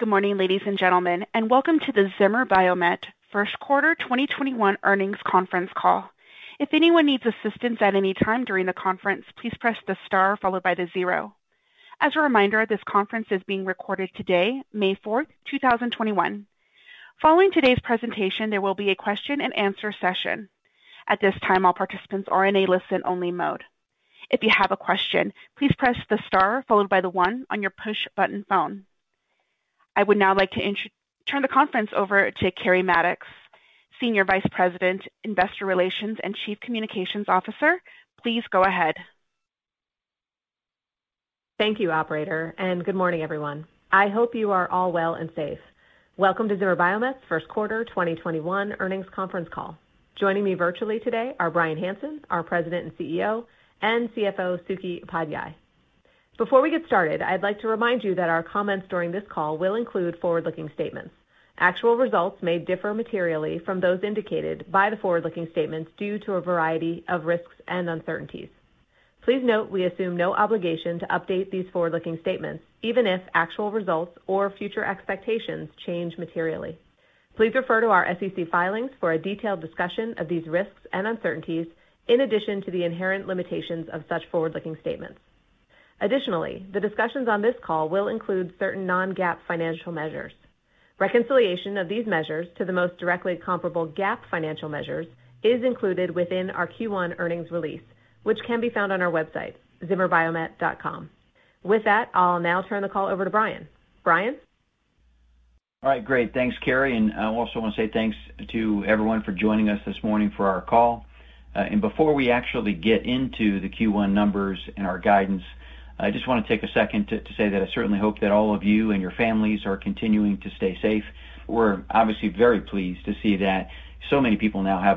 Good morning, ladies and gentlemen, and welcome to the Zimmer Biomet First Quarter 2021 Earnings Conference Call. If anyone need assistant at anytime during the conference please press star zero. As a reminder, this conference is being recorded today, May 4th, 2021. Following today's presentation, there will be a question-and-answer session. At this time all participant are on listen only mode. If you have a question please press the star followed by one on your push button phone. I would now like to turn the conference over to Keri Mattox, Senior Vice President, Investor Relations and Chief Communications Officer. Please go ahead. Thank you, operator. Good morning, everyone. I hope you are all well and safe. Welcome to Zimmer Biomet's First Quarter 2021 Earnings Conference Call. Joining me virtually today are Bryan Hanson, our President and CEO, and CFO, Suky Upadhyay. Before we get started, I'd like to remind you that our comments during this call will include forward-looking statements. Actual results may differ materially from those indicated by the forward-looking statements due to a variety of risks and uncertainties. Please note we assume no obligation to update these forward-looking statements, even if actual results or future expectations change materially. Please refer to our SEC filings for a detailed discussion of these risks and uncertainties, in addition to the inherent limitations of such forward-looking statements. Additionally, the discussions on this call will include certain non-GAAP financial measures. Reconciliation of these measures to the most directly comparable GAAP financial measures is included within our Q1 earnings release, which can be found on our website, zimmerbiomet.com. With that, I'll now turn the call over to Bryan. Bryan? All right, great. Thanks, Keri, I also want to say thanks to everyone for joining us this morning for our call. Before we actually get into the Q1 numbers and our guidance, I just want to take a second to say that I certainly hope that all of you and your families are continuing to stay safe. We're obviously very pleased to see that so many people now have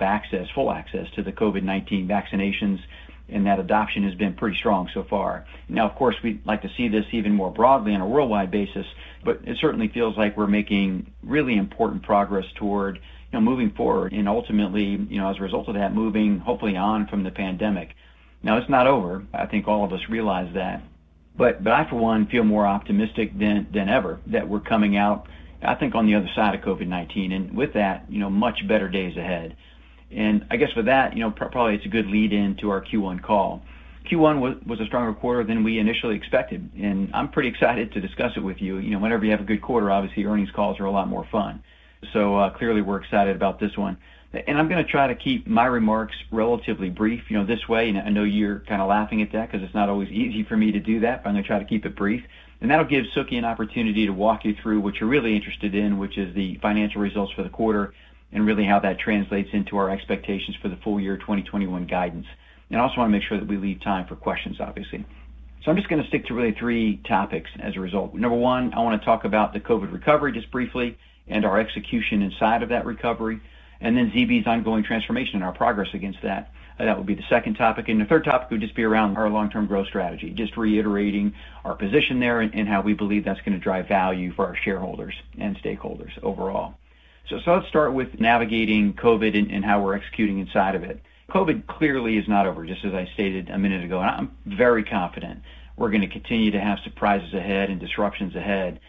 full access to the COVID-19 vaccinations, that adoption has been pretty strong so far. Now, of course, we'd like to see this even more broadly on a worldwide basis, it certainly feels like we're making really important progress toward moving forward and ultimately, as a result of that, moving, hopefully, on from the pandemic. Now it's not over. I think all of us realize that. For one, feel more optimistic than ever that we're coming out, I think, on the other side of COVID-19, and with that, much better days ahead. I guess with that, probably it's a good lead in to our Q1 call. Q1 was a stronger quarter than we initially expected, and I'm pretty excited to discuss it with you. Whenever you have a good quarter, obviously earnings calls are a lot more fun. Clearly we're excited about this one. I'm going to try to keep my remarks relatively brief. This way, and I know you're kind of laughing at that because it's not always easy for me to do that, but I'm going to try to keep it brief. That'll give Suky an opportunity to walk you through what you're really interested in, which is the financial results for the quarter and really how that translates into our expectations for the full year 2021 guidance. I also want to make sure that we leave time for questions, obviously. I'm just going to stick to really three topics as a result. Number one, I want to talk about the COVID recovery just briefly and our execution inside of that recovery, then ZB's ongoing transformation and our progress against that. That would be the second topic, and the third topic would just be around our long-term growth strategy. Just reiterating our position there and how we believe that's going to drive value for our shareholders and stakeholders overall. Let's start with navigating COVID and how we're executing inside of it. COVID clearly is not over, just as I stated a minute ago. I'm very confident we're going to continue to have surprises ahead and disruptions ahead.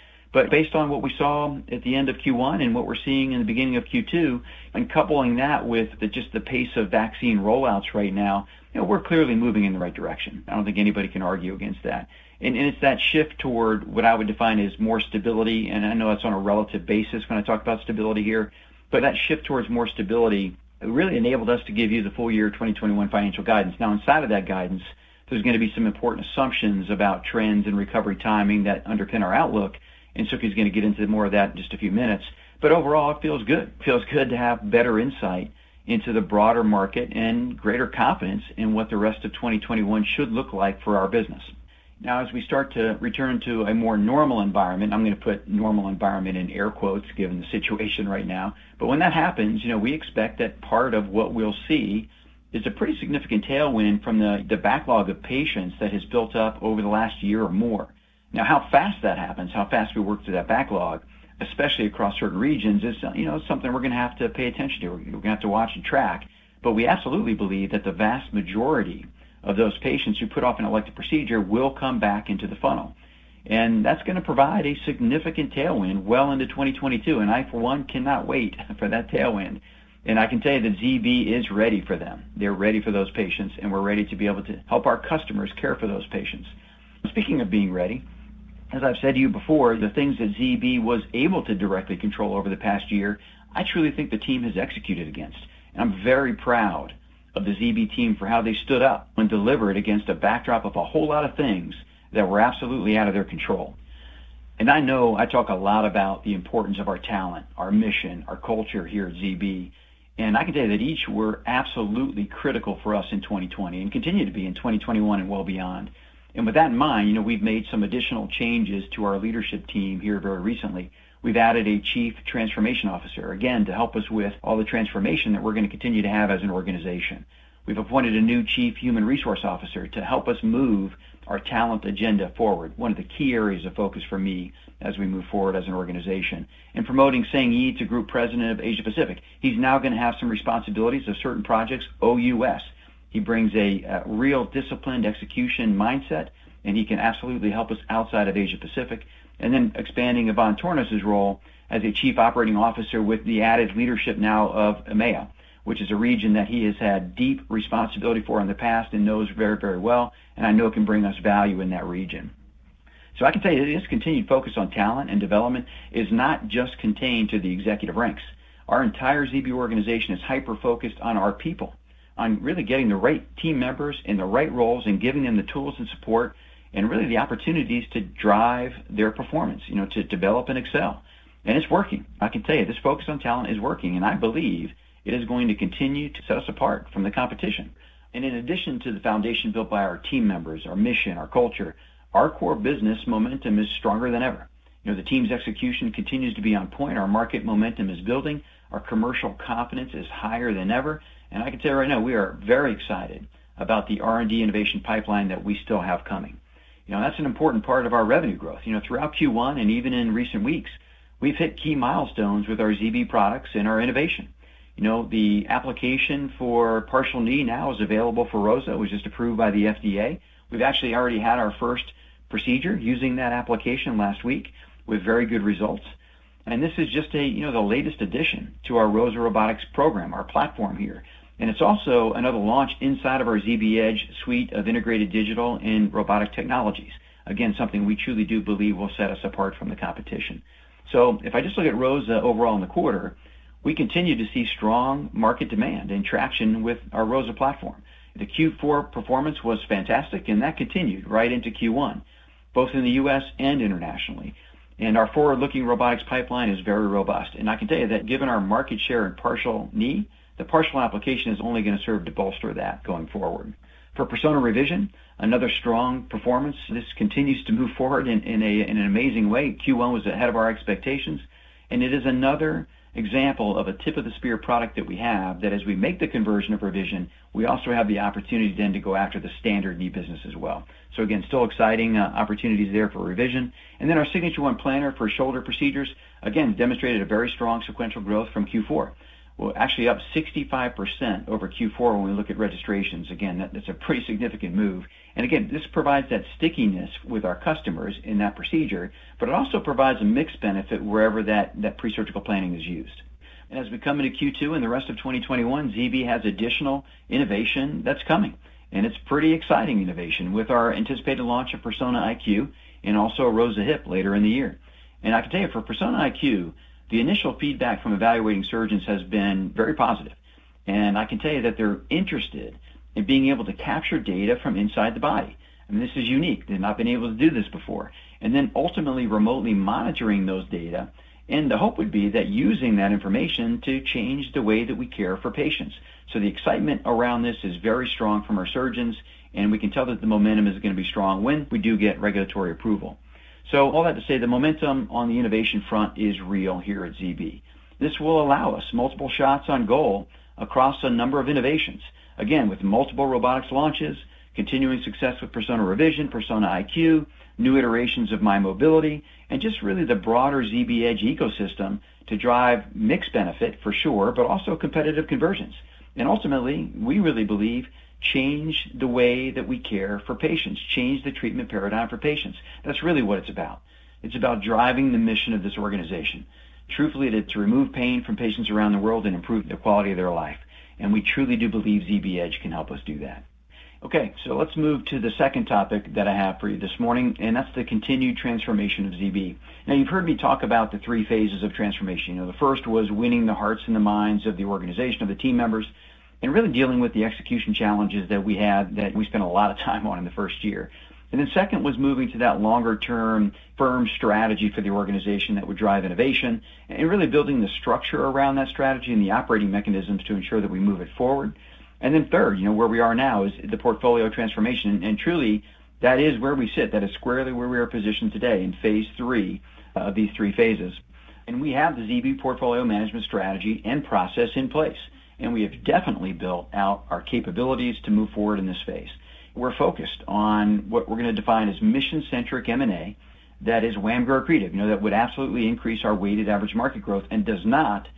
Based on what we saw at the end of Q1 and what we're seeing in the beginning of Q2, and coupling that with just the pace of vaccine rollouts right now, we're clearly moving in the right direction. I don't think anybody can argue against that. It's that shift toward what I would define as more stability. I know that's on a relative basis when I talk about stability here, but that shift towards more stability really enabled us to give you the full year 2021 financial guidance. Inside of that guidance, there's going to be some important assumptions about trends and recovery timing that underpin our outlook, and Suky's going to get into more of that in just a few minutes. Overall, it feels good. Feels good to have better insight into the broader market and greater confidence in what the rest of 2021 should look like for our business. As we start to return to a more normal environment, I'm going to put normal environment in air quotes given the situation right now, but when that happens, we expect that part of what we'll see is a pretty significant tailwind from the backlog of patients that has built up over the last year or more. How fast that happens, how fast we work through that backlog, especially across certain regions, is something we're going to have to pay attention to. We're going to have to watch and track. We absolutely believe that the vast majority of those patients who put off an elective procedure will come back into the funnel, and that's going to provide a significant tailwind well into 2022, and I, for one, cannot wait for that tailwind. I can tell you that ZB is ready for them. They're ready for those patients, and we're ready to be able to help our customers care for those patients. Speaking of being ready, as I've said to you before, the things that ZB was able to directly control over the past year, I truly think the team has executed against. I'm very proud of the ZB team for how they stood up and delivered against a backdrop of a whole lot of things that were absolutely out of their control. I know I talk a lot about the importance of our talent, our mission, our culture here at ZB, and I can tell you that each were absolutely critical for us in 2020 and continue to be in 2021 and well beyond. With that in mind, we've made some additional changes to our leadership team here very recently. We've added a chief transformation officer, again, to help us with all the transformation that we're going to continue to have as an organization. We've appointed a new chief human resource officer to help us move our talent agenda forward, one of the key areas of focus for me as we move forward as an organization. Promoting Sang Yi to Group President of Asia Pacific. He's now going to have some responsibilities of certain projects OUS. He brings a real disciplined execution mindset. He can absolutely help us outside of Asia Pacific. Expanding Ivan Tornos' role as a Chief Operating Officer with the added leadership now of EMEA, which is a region that he has had deep responsibility for in the past and knows very well, and I know can bring us value in that region. I can tell you, this continued focus on talent and development is not just contained to the executive ranks. Our entire ZB organization is hyper-focused on our people, on really getting the right team members in the right roles and giving them the tools and support and really the opportunities to drive their performance, to develop and excel. It's working. I can tell you, this focus on talent is working, and I believe it is going to continue to set us apart from the competition. In addition to the foundation built by our team members, our mission, our culture, our core business momentum is stronger than ever. The team's execution continues to be on point. Our market momentum is building. Our commercial confidence is higher than ever. I can tell you right now, we are very excited about the R&D innovation pipeline that we still have coming. That's an important part of our revenue growth. Throughout Q1 and even in recent weeks, we've hit key milestones with our ZB products and our innovation. The application for partial knee now is available for ROSA. It was just approved by the FDA. We've actually already had our first procedure using that application last week with very good results. This is just the latest addition to our ROSA Robotics program, our platform here. It's also another launch inside of our ZB Edge suite of integrated digital and robotic technologies. Again, something we truly do believe will set us apart from the competition. If I just look at ROSA overall in the quarter, we continue to see strong market demand and traction with our ROSA platform. The Q4 performance was fantastic, and that continued right into Q1, both in the U.S. and Internationally. Our forward-looking robotics pipeline is very robust. I can tell you that given our market share in partial knee, the partial application is only going to serve to bolster that going forward. For Persona Revision, another strong performance. This continues to move forward in an amazing way. Q1 was ahead of our expectation. It is another example of a tip-of-the-spear product that we have that as we make the conversion of revision, we also have the opportunity then to go after the standard knee business as well. Again, still exciting opportunities there for revision. Then our Signature ONE Planner for shoulder procedures, again, demonstrated a very strong sequential growth from Q4. Well, actually up 65% over Q4 when we look at registrations. Again, that's a pretty significant move. Again, this provides that stickiness with our customers in that procedure, but it also provides a mixed benefit wherever that pre-surgical planning is used. As we come into Q2 and the rest of 2021, ZB has additional innovation that's coming. It's pretty exciting innovation with our anticipated launch of Persona IQ and also a ROSA Hip later in the year. I can tell you, for Persona IQ, the initial feedback from evaluating surgeons has been very positive. I can tell you that they're interested in being able to capture data from inside the body. This is unique. They've not been able to do this before. Ultimately remotely monitoring those data. The hope would be that using that information to change the way that we care for patients. The excitement around this is very strong from our surgeons, and we can tell that the momentum is going to be strong when we do get regulatory approval. All that to say, the momentum on the innovation front is real here at ZB. This will allow us multiple shots on goal across a number of innovations. Again, with multiple robotics launches, continuing success with Persona Revision, Persona IQ, new iterations of mymobility, and just really the broader ZB Edge ecosystem to drive mixed benefit for sure, but also competitive conversions. Ultimately, we really believe change the way that we care for patients, change the treatment paradigm for patients. That's really what it's about. It's about driving the mission of this organization. Truthfully, it's to remove pain from patients around the world and improve the quality of their life. We truly do believe ZB Edge can help us do that. Okay. Let's move to the second topic that I have for you this morning, and that's the continued transformation of ZB. Now, you've heard me talk about the three phases of transformation. The first was winning the hearts and the minds of the organization, of the team members, and really dealing with the execution challenges that we had that we spent a lot of time on in the first year. Second was moving to that longer-term firm strategy for the organization that would drive innovation and really building the structure around that strategy and the operating mechanisms to ensure that we move it forward. Third, where we are now is the portfolio transformation. Truly, that is where we sit. That is squarely where we are positioned today in phase III of these three phases. We have the ZB portfolio management strategy and process in place. We have definitely built out our capabilities to move forward in this phase. We're focused on what we're going to define as mission-centric M&A that is WAMGR accretive. That would absolutely increase our weighted average market growth and does not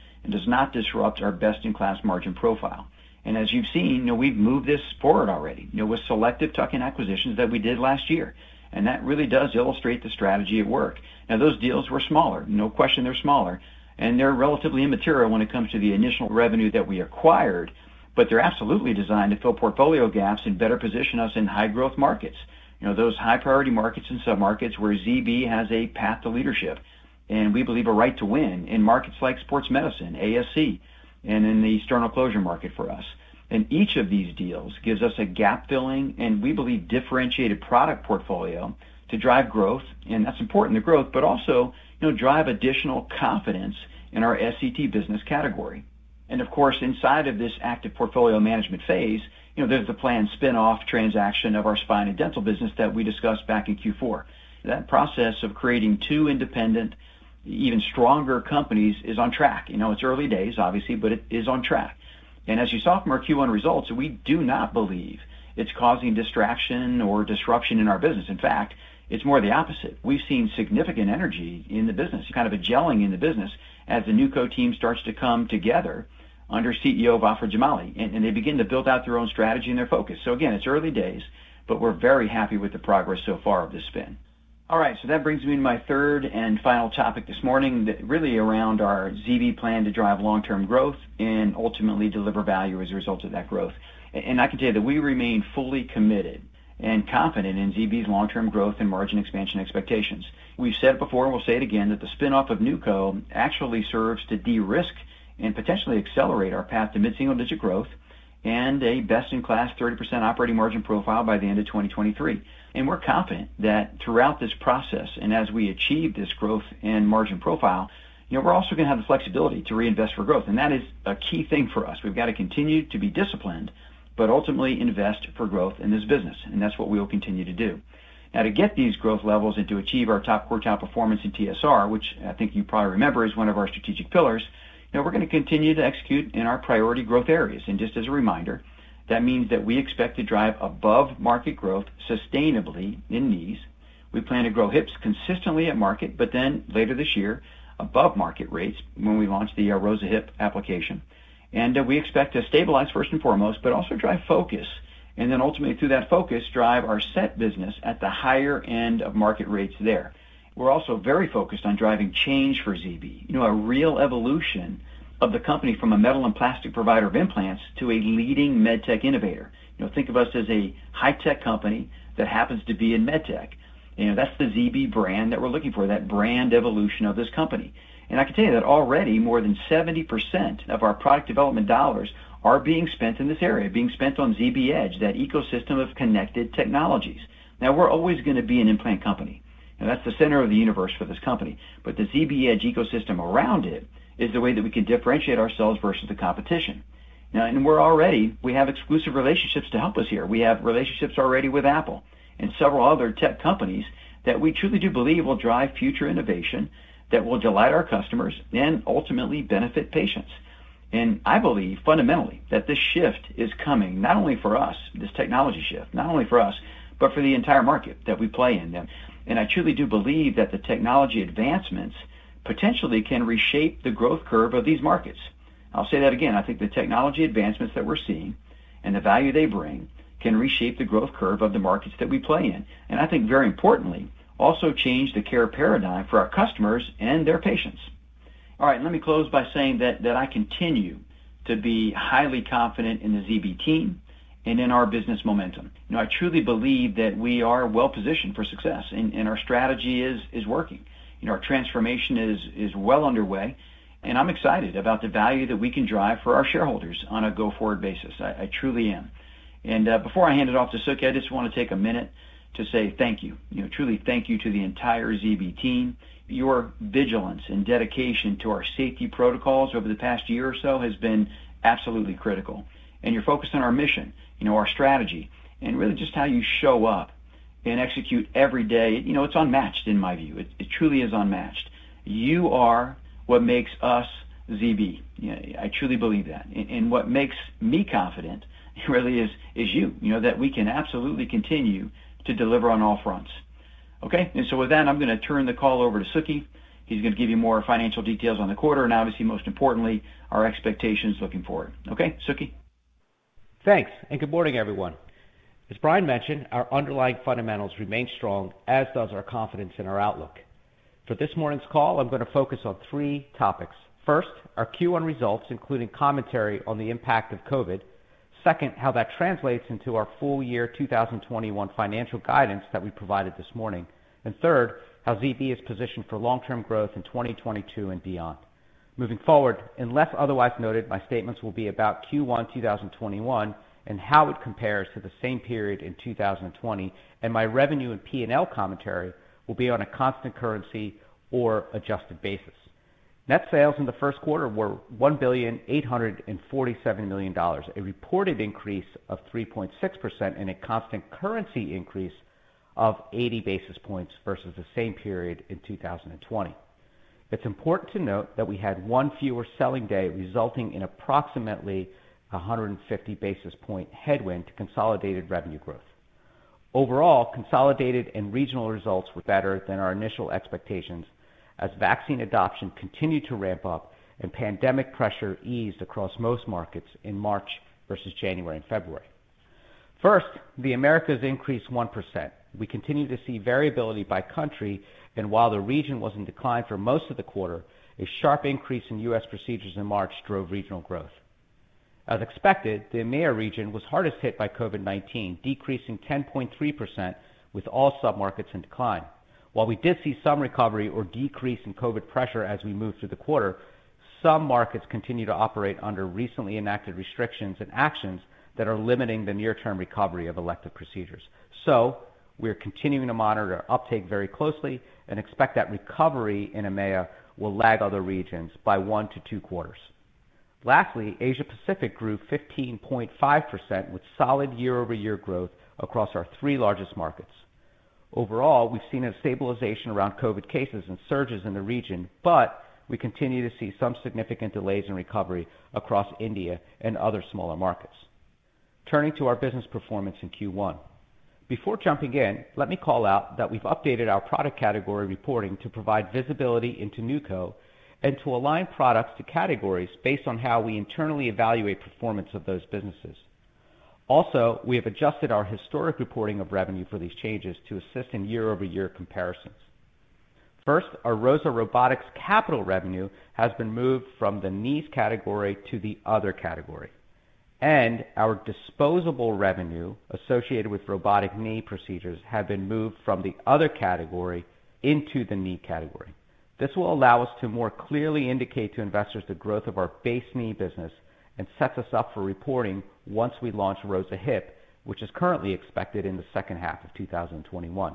disrupt our best-in-class margin profile. As you've seen, we've moved this forward already with selective tuck-in acquisitions that we did last year. That really does illustrate the strategy at work. Now, those deals were smaller. No question they're smaller, and they're relatively immaterial when it comes to the initial revenue that we acquired, but they're absolutely designed to fill portfolio gaps and better position us in high-growth markets. Those high-priority markets and submarkets where ZB has a path to leadership, and we believe a right to win in markets like sports medicine, ASC, and in the sternal closure market for us. Each of these deals gives us a gap-filling and we believe differentiated product portfolio to drive growth. That's important, the growth, but also drive additional confidence in our S.E.T. business category. Of course, inside of this active portfolio management phase, there is the planned spin-off transaction of our spine and dental business that we discussed back in Q4. That process of creating two independent, even stronger companies is on track. It is early days, obviously, but it is on track. As you saw from our Q1 results, we do not believe it is causing distraction or disruption in our business. In fact, it is more the opposite. We have seen significant energy in the business, kind of a gelling in the business as the NewCo team starts to come together under CEO Vafa Jamali, and they begin to build out their own strategy and their focus. Again, it is early days, but we are very happy with the progress so far of the spin. All right, that brings me to my third and final topic this morning, really around our ZB plan to drive long-term growth and ultimately deliver value as a result of that growth. I can tell you that we remain fully committed and confident in ZB's long-term growth and margin expansion expectations. We've said it before, and we'll say it again, that the spinoff of NewCo actually serves to de-risk and potentially accelerate our path to mid-single digit growth and a best-in-class 30% operating margin profile by the end of 2023. We're confident that throughout this process, and as we achieve this growth and margin profile, we're also going to have the flexibility to reinvest for growth. That is a key thing for us. We've got to continue to be disciplined, but ultimately invest for growth in this business, and that's what we will continue to do. To get these growth levels and to achieve our top quartile performance in TSR, which I think you probably remember is one of our strategic pillars, we're going to continue to execute in our priority growth areas. Just as a reminder, that means that we expect to drive above-market growth sustainably in knees. We plan to grow hips consistently at market, later this year, above market rates when we launch the ROSA Hip System. We expect to stabilize first and foremost, also drive focus, ultimately through that focus, drive our S.E.T. business at the higher end of market rates there. We're also very focused on driving change for ZB. A real evolution of the company from a metal and plastic provider of implants to a leading med tech innovator. Think of us as a high-tech company that happens to be in MedTech. That's the ZB brand that we're looking for, that brand evolution of this company. I can tell you that already more than 70% of our product development dollars are being spent in this area, being spent on ZB Edge, that ecosystem of connected technologies. We're always going to be an implant company. That's the center of the universe for this company. The ZB Edge ecosystem around it is the way that we can differentiate ourselves versus the competition. We have exclusive relationships to help us here. We have relationships already with Apple and several other tech companies that we truly do believe will drive future innovation that will delight our customers and ultimately benefit patients. I believe fundamentally that this shift is coming, not only for us, this technology shift, not only for us, but for the entire market that we play in. I truly do believe that the technology advancements potentially can reshape the growth curve of these markets. I'll say that again. I think the technology advancements that we're seeing and the value they bring can reshape the growth curve of the markets that we play in. I think very importantly, also change the care paradigm for our customers and their patients. All right. Let me close by saying that I continue to be highly confident in the ZB team and in our business momentum. I truly believe that we are well-positioned for success, and our strategy is working. Our transformation is well underway, and I'm excited about the value that we can drive for our shareholders on a go-forward basis. I truly am. Before I hand it off to Suky, I just want to take a minute to say thank you. Truly, thank you to the entire ZB team. Your vigilance and dedication to our safety protocols over the past year or so has been absolutely critical. Your focus on our mission, our strategy, and really just how you show up and execute every day, it's unmatched in my view. It truly is unmatched. You are what makes us ZB. I truly believe that. What makes me confident really is you. That we can absolutely continue to deliver on all fronts. Okay? With that, I'm going to turn the call over to Suky. He's going to give you more financial details on the quarter and obviously most importantly, our expectations looking forward. Okay, Suky? Thanks, good morning, everyone. As Bryan mentioned, our underlying fundamentals remain strong, as does our confidence in our outlook. For this morning's call, I'm going to focus on three topics. First, our Q1 results, including commentary on the impact of COVID-19. Second, how that translates into our full year 2021 financial guidance that we provided this morning. Third, how ZB is positioned for long-term growth in 2022 and beyond. Moving forward, unless otherwise noted, my statements will be about Q1 2021 and how it compares to the same period in 2020, and my revenue and P&L commentary will be on a constant currency or adjusted basis. Net sales in the first quarter were $1.847 billion, a reported increase of 3.6% and a constant currency increase of 80 basis points versus the same period in 2020. It's important to note that we had one fewer selling day, resulting in approximately 150 basis point headwind to consolidated revenue growth. Overall, consolidated and regional results were better than our initial expectations as vaccine adoption continued to ramp up and pandemic pressure eased across most markets in March versus January and February. First, the Americas increased 1%. We continue to see variability by country, and while the region was in decline for most of the quarter, a sharp increase in U.S. procedures in March drove regional growth. As expected, the EMEA region was hardest hit by COVID-19, decreasing 10.3% with all sub-markets in decline. While we did see some recovery or decrease in COVID pressure as we moved through the quarter, some markets continue to operate under recently enacted restrictions and actions that are limiting the near-term recovery of elective procedures. We are continuing to monitor uptake very closely and expect that recovery in EMEA will lag other regions by one to two quarters. Lastly, Asia Pacific grew 15.5% with solid year-over-year growth across our three largest markets. Overall, we've seen a stabilization around COVID cases and surges in the region, but we continue to see some significant delays in recovery across India and other smaller markets. Turning to our business performance in Q1. Before jumping in, let me call out that we've updated our product category reporting to provide visibility into NewCo and to align products to categories based on how we internally evaluate performance of those businesses. Also, we have adjusted our historic reporting of revenue for these changes to assist in year-over-year comparisons. First, our ROSA Robotics capital revenue has been moved from the knee category to the other category, and our disposable revenue associated with robotic knee procedures have been moved from the other category into the knee category. This will allow us to more clearly indicate to investors the growth of our base knee business and sets us up for reporting once we launch ROSA Hip, which is currently expected in the second half of 2021.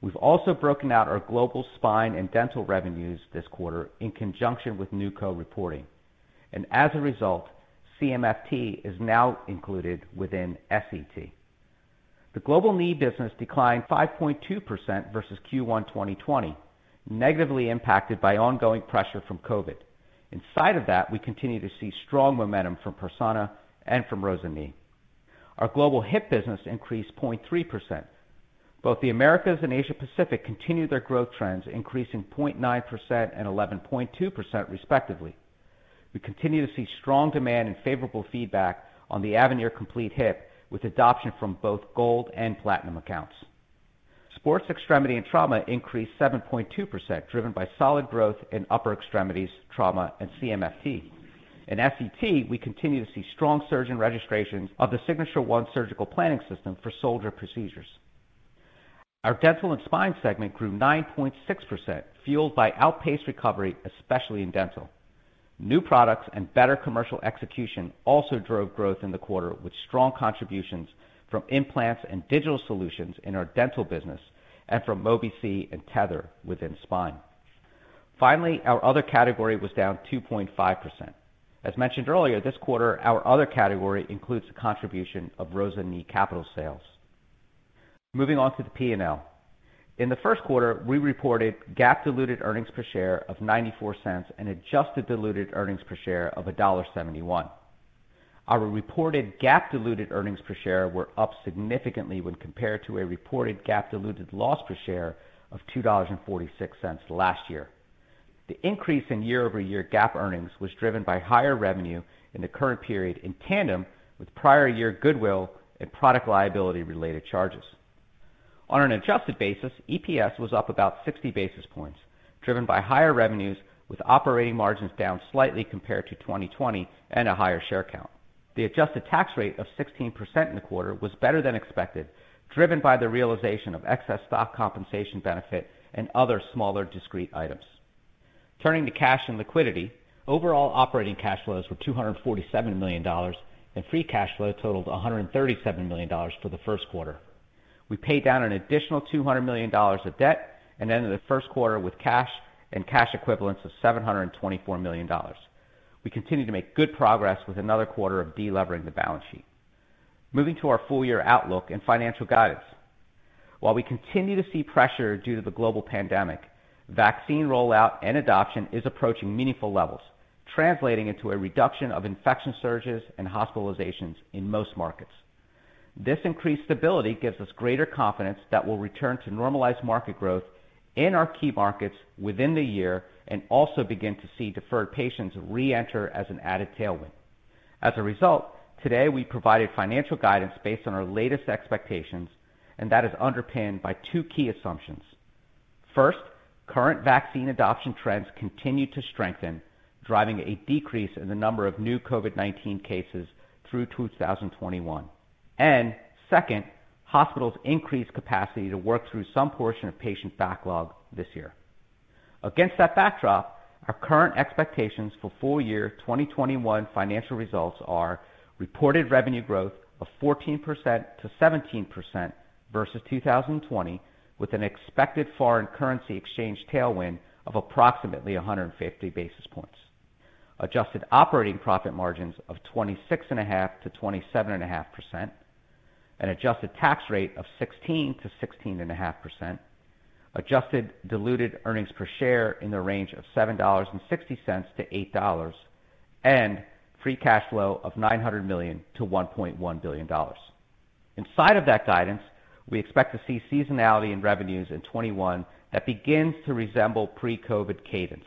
We've also broken out our global spine and dental revenues this quarter in conjunction with NewCo reporting. As a result, CMFT is now included within S.E.T. The global knee business declined 5.2% versus Q1 2020, negatively impacted by ongoing pressure from COVID. Inside of that, we continue to see strong momentum from Persona and from ROSA Knee. Our global hip business increased 0.3%. Both the Americas and Asia Pacific continued their growth trends, increasing 0.9% and 11.2% respectively. We continue to see strong demand and favorable feedback on the Avenir Complete Hip, with adoption from both gold and platinum accounts. Sports extremity and trauma increased 7.2%, driven by solid growth in upper extremities trauma and CMFT. In S.E.T, we continue to see strong surgeon registrations of the Signature ONE Surgical Planning System for shoulder procedures. Our dental and spine segment grew 9.6%, fueled by outpaced recovery, especially in dental. New products and better commercial execution also drove growth in the quarter, with strong contributions from implants and digital solutions in our dental business and from Mobi-C and Tether within spine. Our other category was down 2.5%. As mentioned earlier this quarter, our other category includes the contribution of ROSA Knee capital sales. Moving on to the P&L. In the first quarter, we reported GAAP diluted earnings per share of $0.94 and adjusted diluted earnings per share of $1.71. Our reported GAAP diluted earnings per share were up significantly when compared to a reported GAAP diluted loss per share of $2.46 last year. The increase in year-over-year GAAP earnings was driven by higher revenue in the current period in tandem with prior year goodwill and product liability-related charges. On an adjusted basis, EPS was up about 60 basis points, driven by higher revenues with operating margins down slightly compared to 2020 and a higher share count. The adjusted tax rate of 16% in the quarter was better than expected, driven by the realization of excess stock compensation benefit and other smaller discrete items. Turning to cash and liquidity. Overall operating cash flows were $247 million, and free cash flow totaled $137 million for the first quarter. We paid down an additional $200 million of debt and ended the first quarter with cash and cash equivalents of $724 million. We continue to make good progress with another quarter of de-levering the balance sheet. Moving to our full year outlook and financial guidance. While we continue to see pressure due to the global pandemic, vaccine rollout and adoption is approaching meaningful levels, translating into a reduction of infection surges and hospitalizations in most markets. This increased stability gives us greater confidence that we'll return to normalized market growth in our key markets within the year and also begin to see deferred patients re-enter as an added tailwind. As a result, today we provided financial guidance based on our latest expectations. That is underpinned by two key assumptions. First, current vaccine adoption trends continue to strengthen, driving a decrease in the number of new COVID-19 cases through 2021. Second, hospitals increase capacity to work through some portion of patient backlog this year. Against that backdrop, our current expectations for full year 2021 financial results are reported revenue growth of 14%-17% versus 2020, with an expected foreign currency exchange tailwind of approximately 150 basis points. Adjusted operating profit margins of 26.5%-27.5%, an adjusted tax rate of 16%-16.5%, adjusted diluted earnings per share in the range of $7.60-$8, and free cash flow of $900 million-$1.1 billion. Inside of that guidance, we expect to see seasonality in revenues in 2021 that begins to resemble pre-COVID cadence.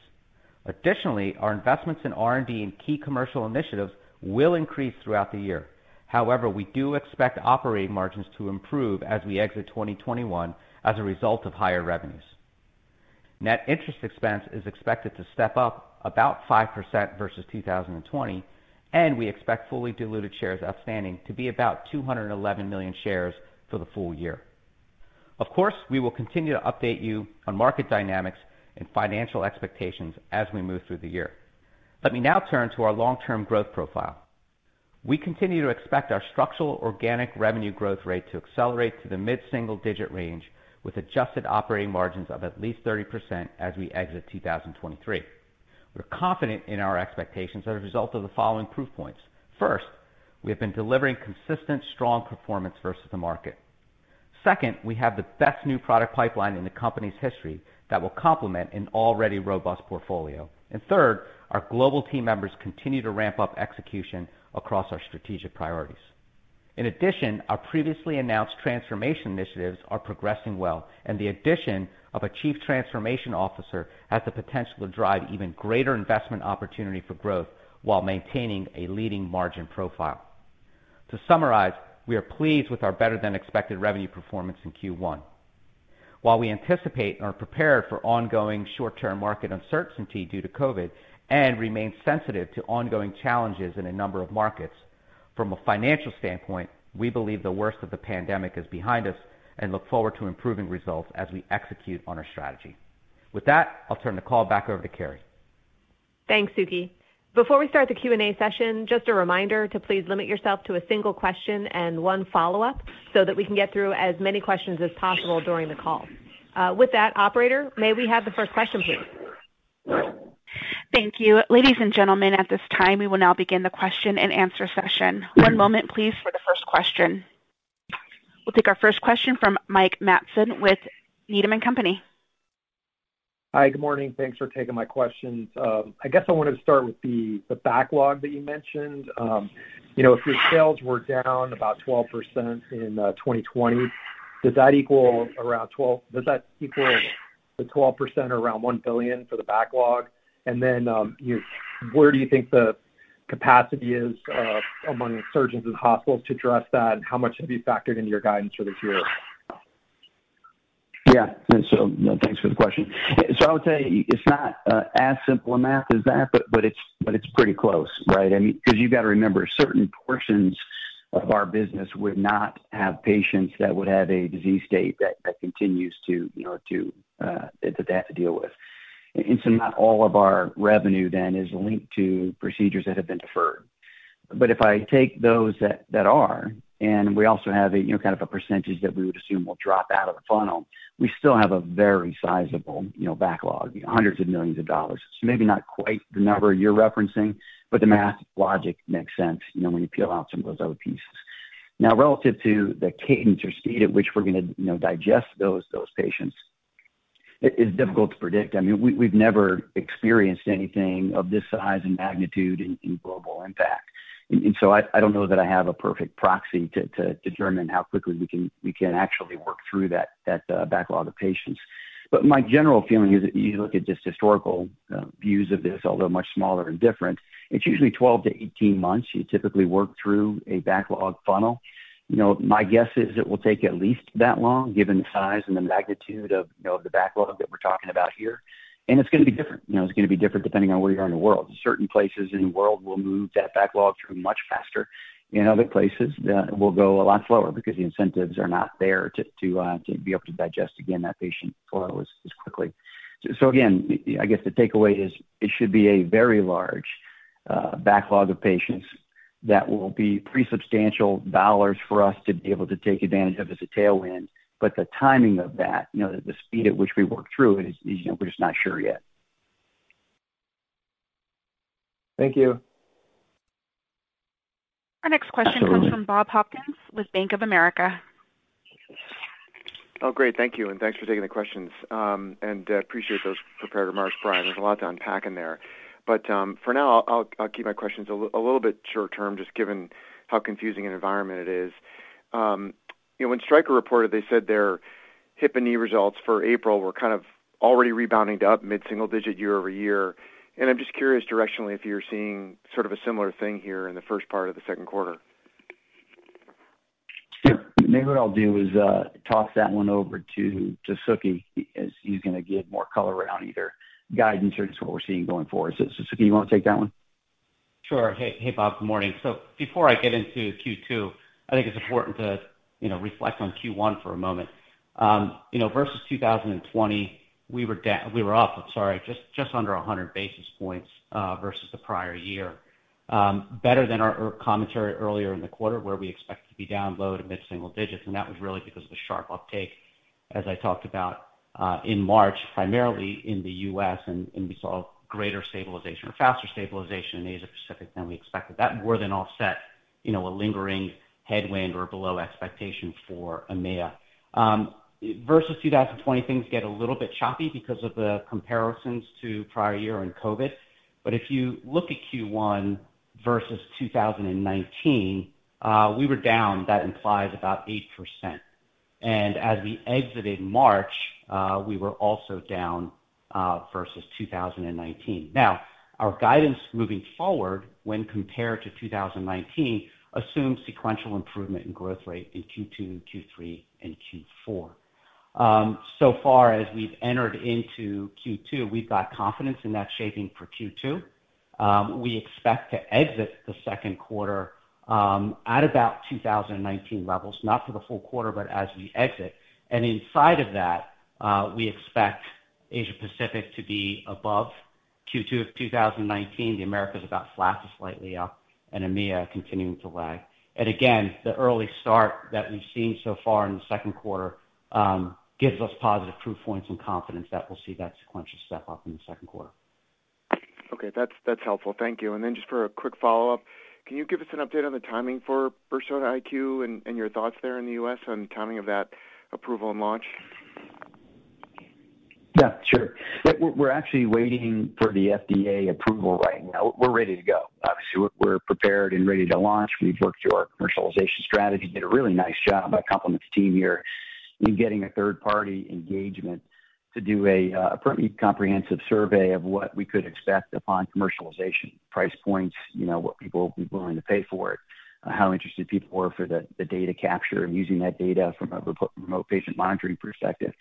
Additionally, our investments in R&D and key commercial initiatives will increase throughout the year. We do expect operating margins to improve as we exit 2021 as a result of higher revenues. Net interest expense is expected to step up about 5% versus 2020. We expect fully diluted shares outstanding to be about 211 million shares for the full year. Of course, we will continue to update you on market dynamics and financial expectations as we move through the year. Let me now turn to our long-term growth profile. We continue to expect our structural organic revenue growth rate to accelerate to the mid-single digit range with adjusted operating margins of at least 30% as we exit 2023. We're confident in our expectations as a result of the following proof points. First, we have been delivering consistent, strong performance versus the market. Second, we have the best new product pipeline in the company's history that will complement an already robust portfolio. Third, our global team members continue to ramp up execution across our strategic priorities. In addition, our previously announced transformation initiatives are progressing well, and the addition of a chief transformation officer has the potential to drive even greater investment opportunity for growth while maintaining a leading margin profile. To summarize, we are pleased with our better-than-expected revenue performance in Q1. While we anticipate and are prepared for ongoing short-term market uncertainty due to COVID and remain sensitive to ongoing challenges in a number of markets, from a financial standpoint, we believe the worst of the pandemic is behind us and look forward to improving results as we execute on our strategy. With that, I'll turn the call back over to Keri. Thanks, Suky. Before we start the Q and A session, just a reminder to please limit yourself to a single question and one follow-up so that we can get through as many questions as possible during the call. With that, operator, may we have the first question, please? Thank you. Ladies and gentlemen, at this time, we will now begin the question-and-answer session. One moment, please, for the first question. We will take our first question from Mike Matson with Needham & Company. Hi. Good morning. Thanks for taking my questions. I guess I wanted to start with the backlog that you mentioned. If your sales were down about 12% in 2020, does that equal the 12% around $1 billion for the backlog? Where do you think the capacity is among surgeons and hospitals to address that, and how much have you factored into your guidance for this year? Yeah. Thanks for the question. I would say it's not as simple a math as that, but it's pretty close, right? You've got to remember, certain portions of our business would not have patients that would have a disease state that they have to deal with. Not all of our revenue is linked to procedures that have been deferred. If I take those that are, and we also have a kind of a percentage that we would assume will drop out of the funnel, we still have a very sizable backlog, hundreds of millions of dollars. Maybe not quite the number you're referencing, but the math logic makes sense when you peel out some of those other pieces. Now, relative to the cadence or speed at which we're going to digest those patients, it is difficult to predict. We've never experienced anything of this size and magnitude in global impact. I don't know that I have a perfect proxy to determine how quickly we can actually work through that backlog of patients. My general feeling is if you look at just historical views of this, although much smaller and different, it's usually 12 to 18 months you typically work through a backlog funnel. My guess is it will take at least that long, given the size and the magnitude of the backlog that we're talking about here. It's going to be different. It's going to be different depending on where you are in the world. Certain places in the world will move that backlog through much faster. In other places, it will go a lot slower because the incentives are not there to be able to digest, again, that patient flow as quickly. Again, I guess the takeaway is it should be a very large backlog of patients that will be pretty substantial dollars for us to be able to take advantage of as a tailwind. The timing of that, the speed at which we work through it is we're just not sure yet. Thank you. Our next question comes from Bob Hopkins with Bank of America. Oh, great. Thank you, and thanks for taking the questions. Appreciate those prepared remarks, Bryan. There's a lot to unpack in there. For now, I'll keep my questions a little bit short-term, just given how confusing an environment it is. When Stryker reported, they said their hip and knee results for April were kind of already rebounding to up mid-single digit year-over-year. I'm just curious directionally if you're seeing sort of a similar thing here in the first part of the second quarter. Sure. Maybe what I'll do is toss that one over to Suky as he's going to give more color around either guidance or just what we're seeing going forward. Suky, you want to take that one? Sure. Hey, Bob. Good morning. Before I get into Q2, I think it's important to reflect on Q1 for a moment. Versus 2020, we were up, sorry, just under 100 basis points versus the prior year. Better than our commentary earlier in the quarter where we expect to be down low to mid-single digits, that was really because of the sharp uptake, as I talked about in March, primarily in the U.S., and we saw greater stabilization or faster stabilization in Asia Pacific than we expected. That more than offset a lingering headwind or below expectation for EMEA. Versus 2020, things get a little bit choppy because of the comparisons to prior year and COVID. If you look at Q1 versus 2019, we were down. That implies about 8%. As we exited March, we were also down versus 2019. Our guidance moving forward when compared to 2019 assumes sequential improvement in growth rate in Q2, Q3 and Q4. Far as we've entered into Q2, we've got confidence in that shaping for Q2. We expect to exit the second quarter at about 2019 levels, not for the full quarter, but as we exit. Inside of that, we expect Asia Pacific to be above Q2 of 2019, the Americas about flat to slightly up, and EMEA continuing to lag. Again, the early start that we've seen so far in the second quarter gives us positive proof points and confidence that we'll see that sequential step-up in the second quarter. Okay. That's helpful. Thank you. Then just for a quick follow-up, can you give us an update on the timing for Persona IQ and your thoughts there in the U.S. on timing of that approval and launch? Yeah, sure. We're actually waiting for the FDA approval right now. We're ready to go. Obviously, we're prepared and ready to launch. We've worked through our commercialization strategy, did a really nice job, my compliments to the team here in getting a third-party engagement to do a pretty comprehensive survey of what we could expect upon commercialization. Price points, what people would be willing to pay for it, how interested people were for the data capture and using that data from a remote patient monitoring perspective.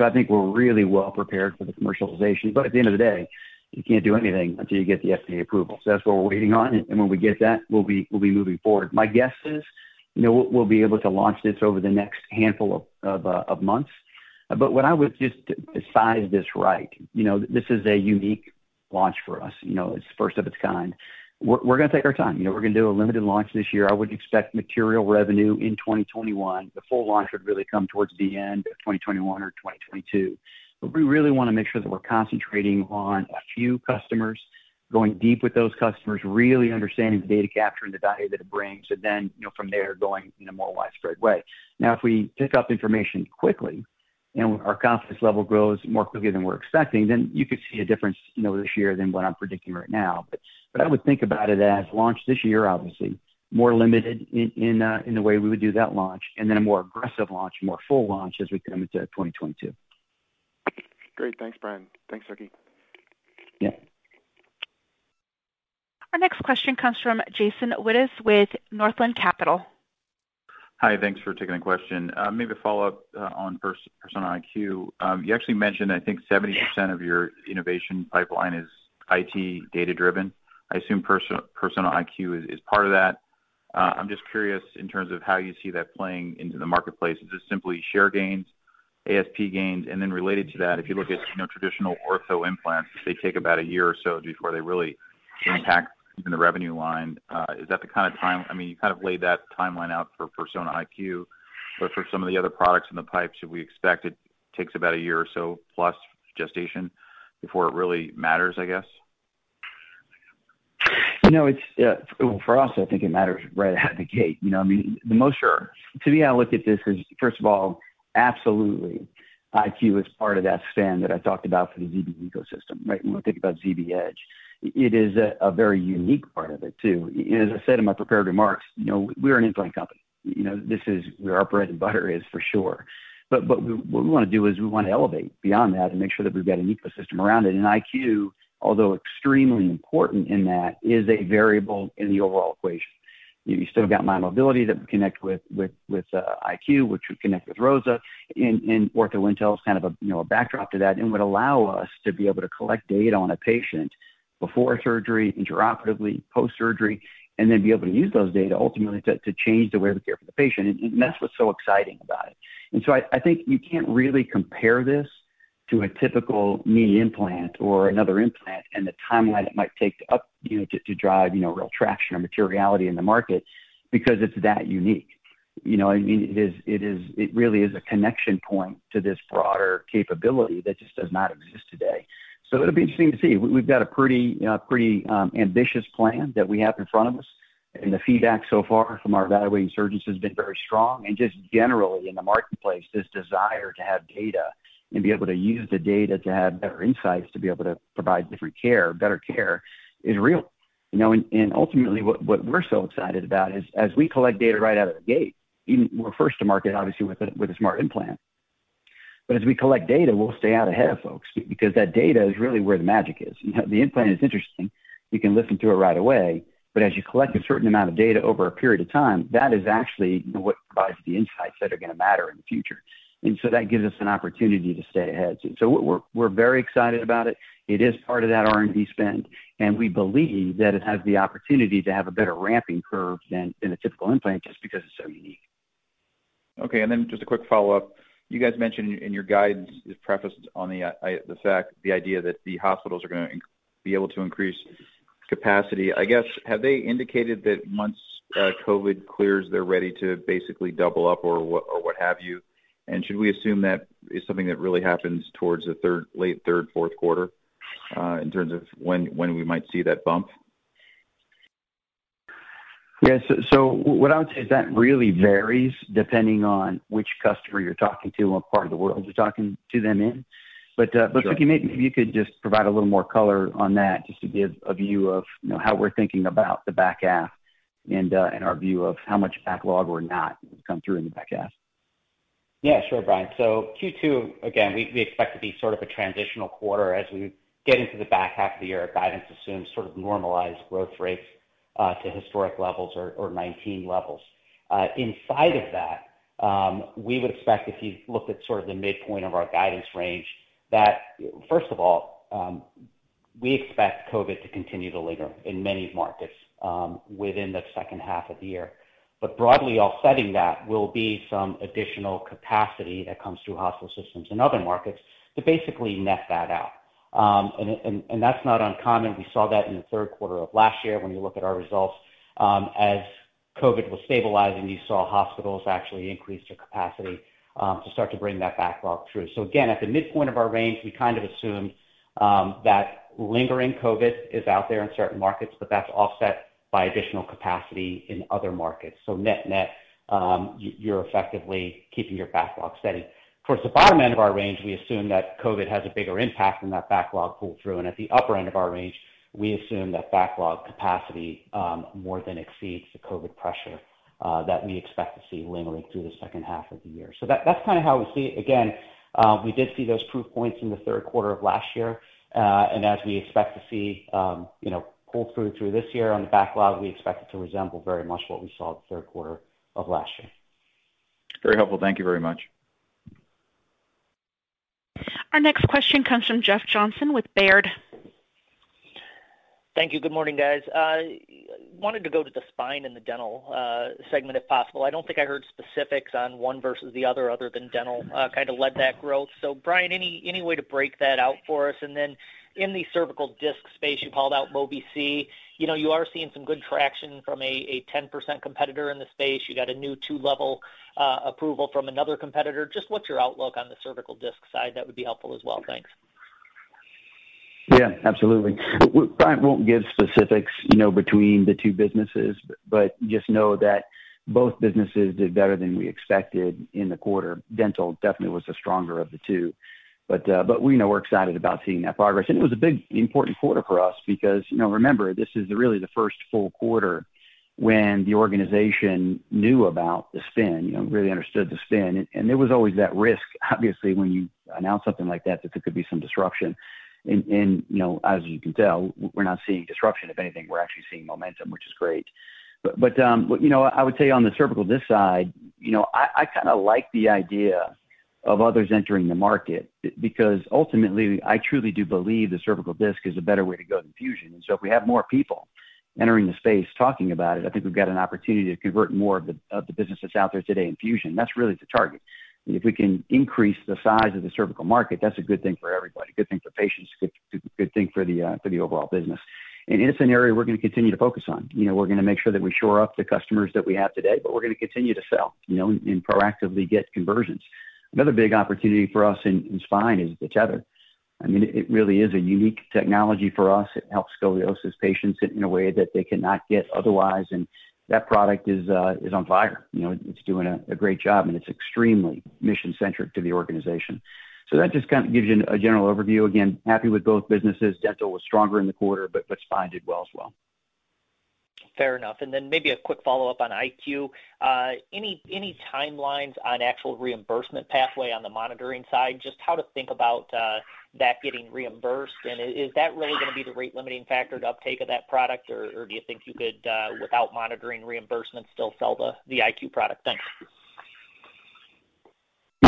I think we're really well prepared for the commercialization. At the end of the day, you can't do anything until you get the FDA approval. That's what we're waiting on. When we get that, we'll be moving forward. My guess is, we'll be able to launch this over the next handful of months. What I would just size this right, this is a unique launch for us. It's first of its kind. We're going to take our time. We're going to do a limited launch this year. I would expect material revenue in 2021. The full launch would really come towards the end of 2021 or 2022. We really want to make sure that we're concentrating on a few customers, going deep with those customers, really understanding the data capture and the value that it brings. From there, going in a more widespread way. If we pick up information quickly and our confidence level grows more quickly than we're expecting, then you could see a difference this year than what I'm predicting right now. I would think about it as launch this year, obviously, more limited in the way we would do that launch, and then a more aggressive launch, more full launch as we come into 2022. Great. Thanks, Bryan. Thanks, Suky. Yeah. Our next question comes from Jason Wittes with Northland Capital. Hi. Thanks for taking the question. Maybe a follow-up on Persona IQ. You actually mentioned, I think 70% of your innovation pipeline is IT data-driven. I assume Persona IQ is part of that. I'm just curious in terms of how you see that playing into the marketplace. Is this simply share gains, ASP gains? Related to that, if you look at traditional ortho implants, they take about a year or so before they really impact even the revenue line. You kind of laid that timeline out for Persona IQ, but for some of the other products in the pipe, should we expect it takes about a year or so plus gestation before it really matters, I guess? For us, I think it matters right out of the gate. Sure. To me, I look at this as, first of all, absolutely, Persona IQ is part of that spend that I talked about for the ZB ecosystem. When we think about ZB Edge, it is a very unique part of it too. As I said in my prepared remarks, we're an implant company. This is where our bread and butter is for sure. What we want to do is we want to elevate beyond that and make sure that we've got an ecosystem around it. Persona IQ, although extremely important in that, is a variable in the overall equation. You've still got mymobility that would connect with IQ, which would connect with ROSA, and OrthoIntel is kind of a backdrop to that and would allow us to be able to collect data on a patient before surgery, intraoperatively, post-surgery, and then be able to use those data ultimately to change the way we care for the patient. That's what's so exciting about it. I think you can't really compare this to a typical knee implant or another implant and the timeline it might take up to drive real traction or materiality in the market because it's that unique. You know what I mean? It really is a connection point to this broader capability that just does not exist today. It'll be interesting to see. We've got a pretty ambitious plan that we have in front of us, and the feedback so far from our evaluating surgeons has been very strong. Just generally in the marketplace, this desire to have data and be able to use the data to have better insights, to be able to provide different care, better care is real. Ultimately, what we're so excited about is as we collect data right out of the gate, we're first to market, obviously, with a smart implant. As we collect data, we'll stay out ahead of folks because that data is really where the magic is. The implant is interesting. You can listen to it right away, but as you collect a certain amount of data over a period of time, that is actually what provides the insights that are going to matter in the future. That gives us an opportunity to stay ahead. We're very excited about it. It is part of that R&D spend, and we believe that it has the opportunity to have a better ramping curve than a typical implant just because it's so unique. Okay, just a quick follow-up. You guys mentioned in your guidance, this preface on the fact, the idea that the hospitals are going to be able to increase capacity. I guess, have they indicated that once COVID clears, they're ready to basically double up or what have you? Should we assume that is something that really happens towards the late third, fourth quarter, in terms of when we might see that bump? Yeah. What I would say is that really varies depending on which customer you're talking to and what part of the world you're talking to them in. Sure. Suky, maybe you could just provide a little more color on that just to give a view of how we're thinking about the back half and our view of how much backlog or not will come through in the back half. Yeah, sure, Bryan. Q2, again, we expect to be sort of a transitional quarter as we get into the back half of the year. Guidance assumes sort of normalized growth rates to historic levels or 2019 levels. Inside of that, we would expect if you looked at sort of the midpoint of our guidance range, that first of all, we expect COVID-19 to continue to linger in many markets within the second half of the year. Broadly offsetting that will be some additional capacity that comes through hospital systems in other markets to basically net that out. That's not uncommon. We saw that in the third quarter of last year when you look at our results. As COVID-19 was stabilizing, you saw hospitals actually increase their capacity to start to bring that backlog through. Again, at the midpoint of our range, we kind of assume that lingering COVID is out there in certain markets, but that's offset by additional capacity in other markets. Net-net, you're effectively keeping your backlog steady. Towards the bottom end of our range, we assume that COVID has a bigger impact and that backlog pulled through. At the upper end of our range, we assume that backlog capacity more than exceeds the COVID pressure that we expect to see lingering through the second half of the year. That's kind of how we see it. Again, we did see those proof points in the third quarter of last year. As we expect to see pull through this year on the backlog, we expect it to resemble very much what we saw the third quarter of last year. Very helpful. Thank you very much. Our next question comes from Jeff Johnson with Baird. Thank you. Good morning, guys. I wanted to go to the spine and the dental segment, if possible. I don't think I heard specifics on one versus the other than dental kind of led that growth. Bryan, any way to break that out for us? In the cervical disc space, you called out Mobi-C. You are seeing some good traction from a 10% competitor in the space. You got a new two level approval from another competitor. What's your outlook on the cervical disc side? That would be helpful as well. Thanks. Yeah, absolutely. Bryan won't give specifics between the two businesses, just know that both businesses did better than we expected in the quarter. Dental definitely was the stronger of the two. We're excited about seeing that progress. It was a big, important quarter for us because remember, this is really the first full quarter when the organization knew about the spin, really understood the spin. There was always that risk, obviously, when you announce something like that there could be some disruption. As you can tell, we're not seeing disruption. If anything, we're actually seeing momentum, which is great. I would say on the cervical disc side, I kind of like the idea of others entering the market because ultimately, I truly do believe the cervical disc is a better way to go than fusion. If we have more people entering the space talking about it, I think we've got an opportunity to convert more of the businesses out there today in fusion. That's really the target. If we can increase the size of the cervical market, that's a good thing for everybody, a good thing for patients, a good thing for the overall business. It's an area we're going to continue to focus on. We're going to make sure that we shore up the customers that we have today, but we're going to continue to sell, and proactively get conversions. Another big opportunity for us in spine is The Tether. I mean, it really is a unique technology for us. It helps scoliosis patients in a way that they cannot get otherwise, and that product is on fire. It's doing a great job, and it's extremely mission-centric to the organization. That just kind of gives you a general overview. Again, happy with both businesses. Dental was stronger in the quarter, but spine did well as well. Fair enough. Maybe a quick follow-up on IQ. Any timelines on actual reimbursement pathway on the monitoring side? Just how to think about that getting reimbursed, and is that really going to be the rate-limiting factor to uptake of that product? Or do you think you could, without monitoring reimbursement, still sell the IQ product? Thanks.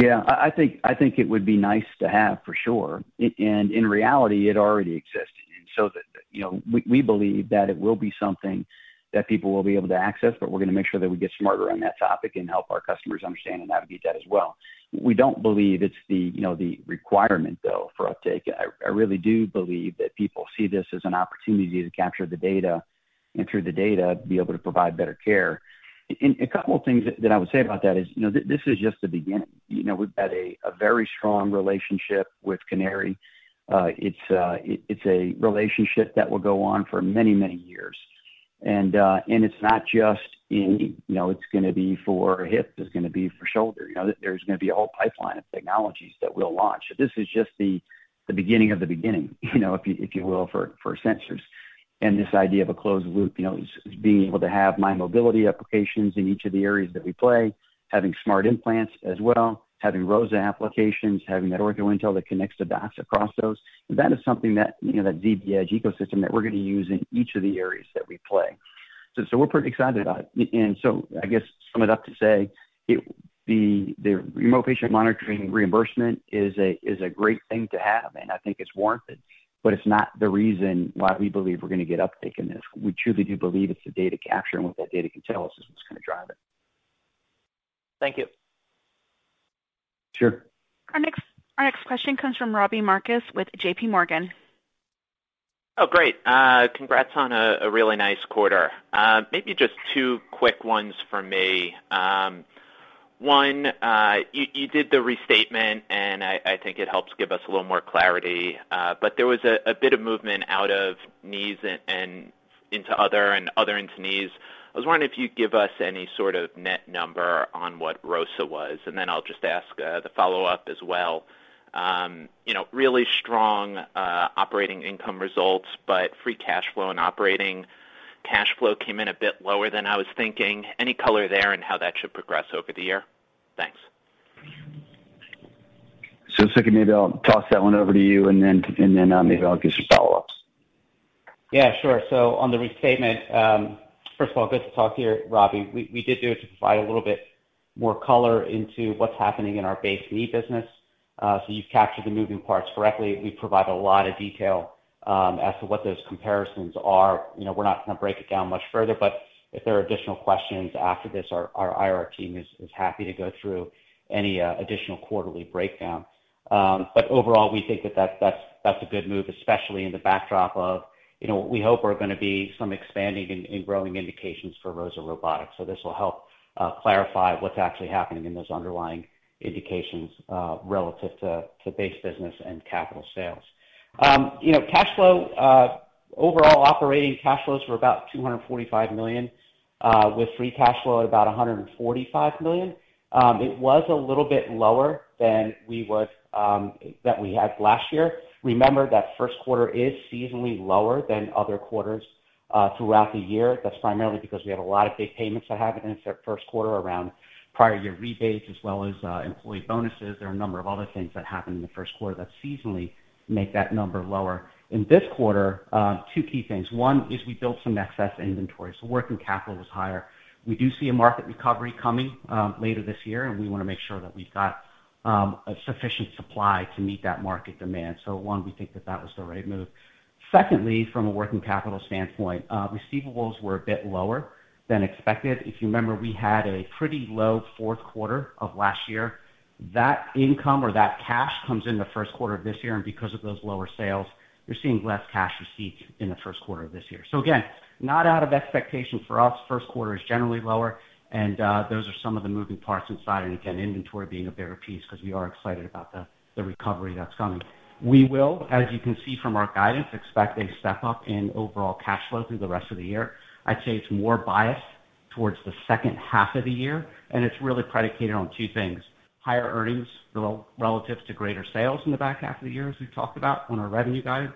Yeah, I think it would be nice to have, for sure. In reality, it already exists. We believe that it will be something that people will be able to access, but we're going to make sure that we get smarter on that topic and help our customers understand the value of that as well. We don't believe it's the requirement, though, for uptake. I really do believe that people see this as an opportunity to capture the data, and through the data, be able to provide better care. A couple of things that I would say about that is, this is just the beginning. We've had a very strong relationship with Canary. It's a relationship that will go on for many, many years. It's going to be for hip, it's going to be for shoulder. There's going to be a whole pipeline of technologies that we'll launch. This is just the beginning of the beginning, if you will, for sensors. This idea of a closed loop is being able to have mymobility applications in each of the areas that we play, having smart implants as well, having ROSA applications, having that OrthoIntel that connects the dots across those. That is something that ZB Edge ecosystem that we're going to use in each of the areas that we play. We're pretty excited about it. I guess to sum it up, to say the remote patient monitoring reimbursement is a great thing to have, and I think it's warranted, but it's not the reason why we believe we're going to get uptake in this. We truly do believe it's the data capture and what that data can tell us is what's going to drive it. Thank you. Sure. Our next question comes from Robbie Marcus with JPMorgan. Great. Congrats on a really nice quarter. Maybe just two quick ones from me. You did the restatement, I think it helps give us a little more clarity. There was a bit of movement out of knees and into other and other into knees. I was wondering if you'd give us any sort of net number on what ROSA was. I'll just ask the follow-up as well. Really strong operating income results, free cash flow and operating cash flow came in a bit lower than I was thinking. Any color there in how that should progress over the year? Thanks. Suky, maybe I'll toss that one over to you, and then maybe I'll give some follow-ups. Yeah, sure. On the restatement, first of all, good to talk to you, Robbie. We did do it to provide a little bit more color into what's happening in our base knee business. You've captured the moving parts correctly. We provide a lot of detail as to what those comparisons are. We're not going to break it down much further, but if there are additional questions after this, our IR team is happy to go through any additional quarterly breakdown. Overall, we think that's a good move, especially in the backdrop of what we hope are going to be some expanding and growing indications for ROSA Robotics. This will help clarify what's actually happening in those underlying indications relative to base business and capital sales. Overall operating cash flows were about $245 million, with free cash flow at about $145 million. It was a little bit lower than we had last year. Remember that first quarter is seasonally lower than other quarters throughout the year. That's primarily because we have a lot of big payments that happen in first quarter around prior year rebates, as well as employee bonuses. There are a number of other things that happen in the first quarter that seasonally make that number lower. In this quarter, two key things. One is we built some excess inventory, so working capital was higher. We do see a market recovery coming later this year, and we want to make sure that we've got a sufficient supply to meet that market demand. One, we think that was the right move. Secondly, from a working capital standpoint, receivables were a bit lower than expected. If you remember, we had a pretty low fourth quarter of last year. That income or that cash comes in the first quarter of this year, and because of those lower sales, you're seeing less cash receipts in the first quarter of this year. Again, not out of expectation for us. First quarter is generally lower and those are some of the moving parts inside. Again, inventory being a bigger piece because we are excited about the recovery that's coming. We will, as you can see from our guidance, expect a step up in overall cash flow through the rest of the year. I'd say it's more biased towards the second half of the year, and it's really predicated on two things. Higher earnings relative to greater sales in the back half of the year, as we've talked about on our revenue guidance.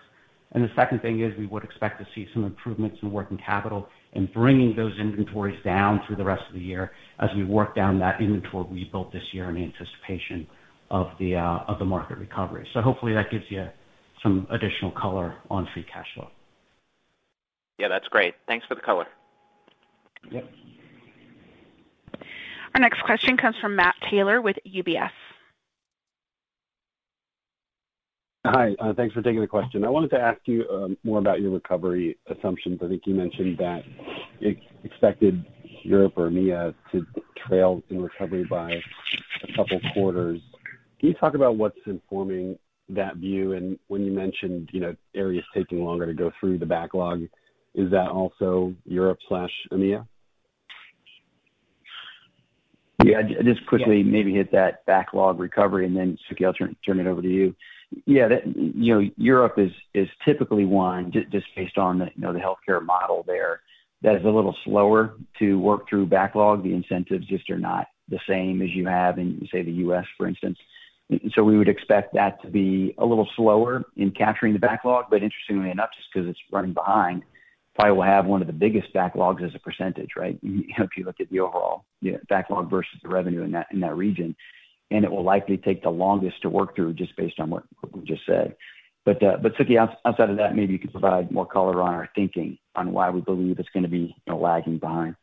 The second thing is we would expect to see some improvements in working capital and bringing those inventories down through the rest of the year as we work down that inventory we built this year in anticipation of the market recovery. Hopefully, that gives you some additional color on free cash flow. Yeah, that's great. Thanks for the color. Yep. Our next question comes from Matt Taylor with UBS. Hi, thanks for taking the question. I wanted to ask you more about your recovery assumptions. I think you mentioned that it expected Europe or EMEA to trail in recovery by a couple of quarters. Can you talk about what's informing that view, and when you mentioned areas taking longer to go through the backlog, is that also Europe/EMEA? Just quickly maybe hit that backlog recovery. Suky, I'll turn it over to you. Europe is typically one, just based on the healthcare model there, that is a little slower to work through backlog. The incentives just are not the same as you have in, say, the U.S., for instance. We would expect that to be a little slower in capturing the backlog. Interestingly enough, just because it's running behind, probably will have one of the biggest backlogs as a percentage, right? If you look at the overall backlog versus the revenue in that region. It will likely take the longest to work through, just based on what we just said. Suky, outside of that, maybe you could provide more color on our thinking on why we believe it's going to be lagging behind.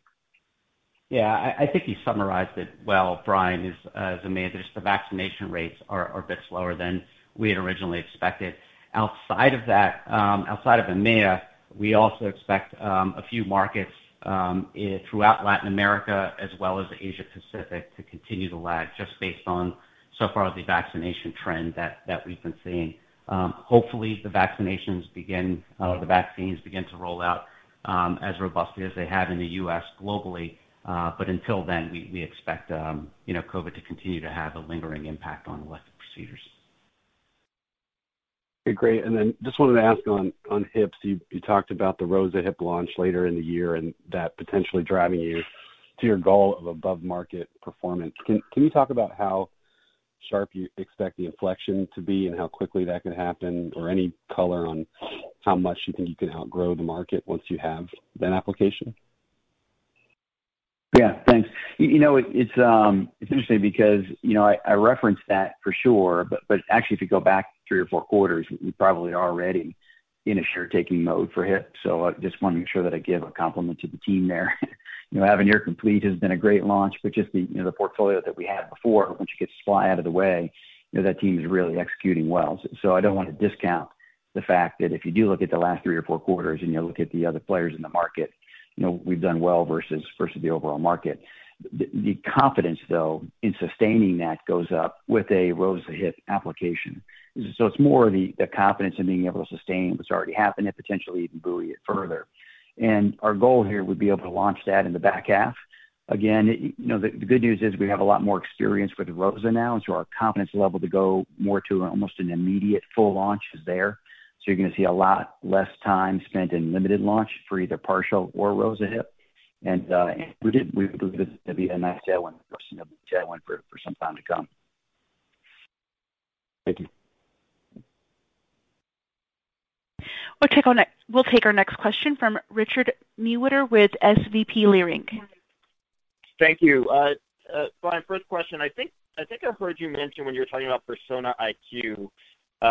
Yeah. I think you summarized it well, Bryan. EMEA, just the vaccination rates are a bit slower than we had originally expected. Outside of that, outside of EMEA, we also expect a few markets throughout Latin America as well as Asia Pacific to continue to lag, just based on so far the vaccination trend that we've been seeing. Hopefully, the vaccines begin to roll out as robustly as they have in the U.S. globally. Until then, we expect COVID to continue to have a lingering impact on elective procedures. Okay, great. Just wanted to ask on hips. You talked about the ROSA Hip launch later in the year and that potentially driving you to your goal of above-market performance. Can you talk about how sharp you expect the inflection to be and how quickly that could happen? Any color on how much you think you can outgrow the market once you have that application? Yeah. Thanks. It's interesting because I referenced that for sure, actually, if you go back three or four quarters, we probably are already in a share taking mode for hip. I just want to make sure that I give a compliment to the team there. Avenir Complete has been a great launch, just the portfolio that we had before, once you get supply out of the way, that team is really executing well. I don't want to discount the fact that if you do look at the last three or four quarters and you look at the other players in the market, we've done well versus the overall market. The confidence, though, in sustaining that goes up with a ROSA Hip application. It's more the confidence in being able to sustain what's already happening and potentially even buoy it further. Our goal here would be able to launch that in the back half. Again, the good news is we have a lot more experience with ROSA now, and so our confidence level to go more to almost an immediate full launch is there. You're going to see a lot less time spent in limited launch for either partial or ROSA Hip. We believe it's going to be a nice tailwind for some time to come. Thank you. We'll take our next question from Richard Newitter with SVB Leerink. Thank you. Bryan, first question. I think I heard you mention when you were talking about Persona IQ,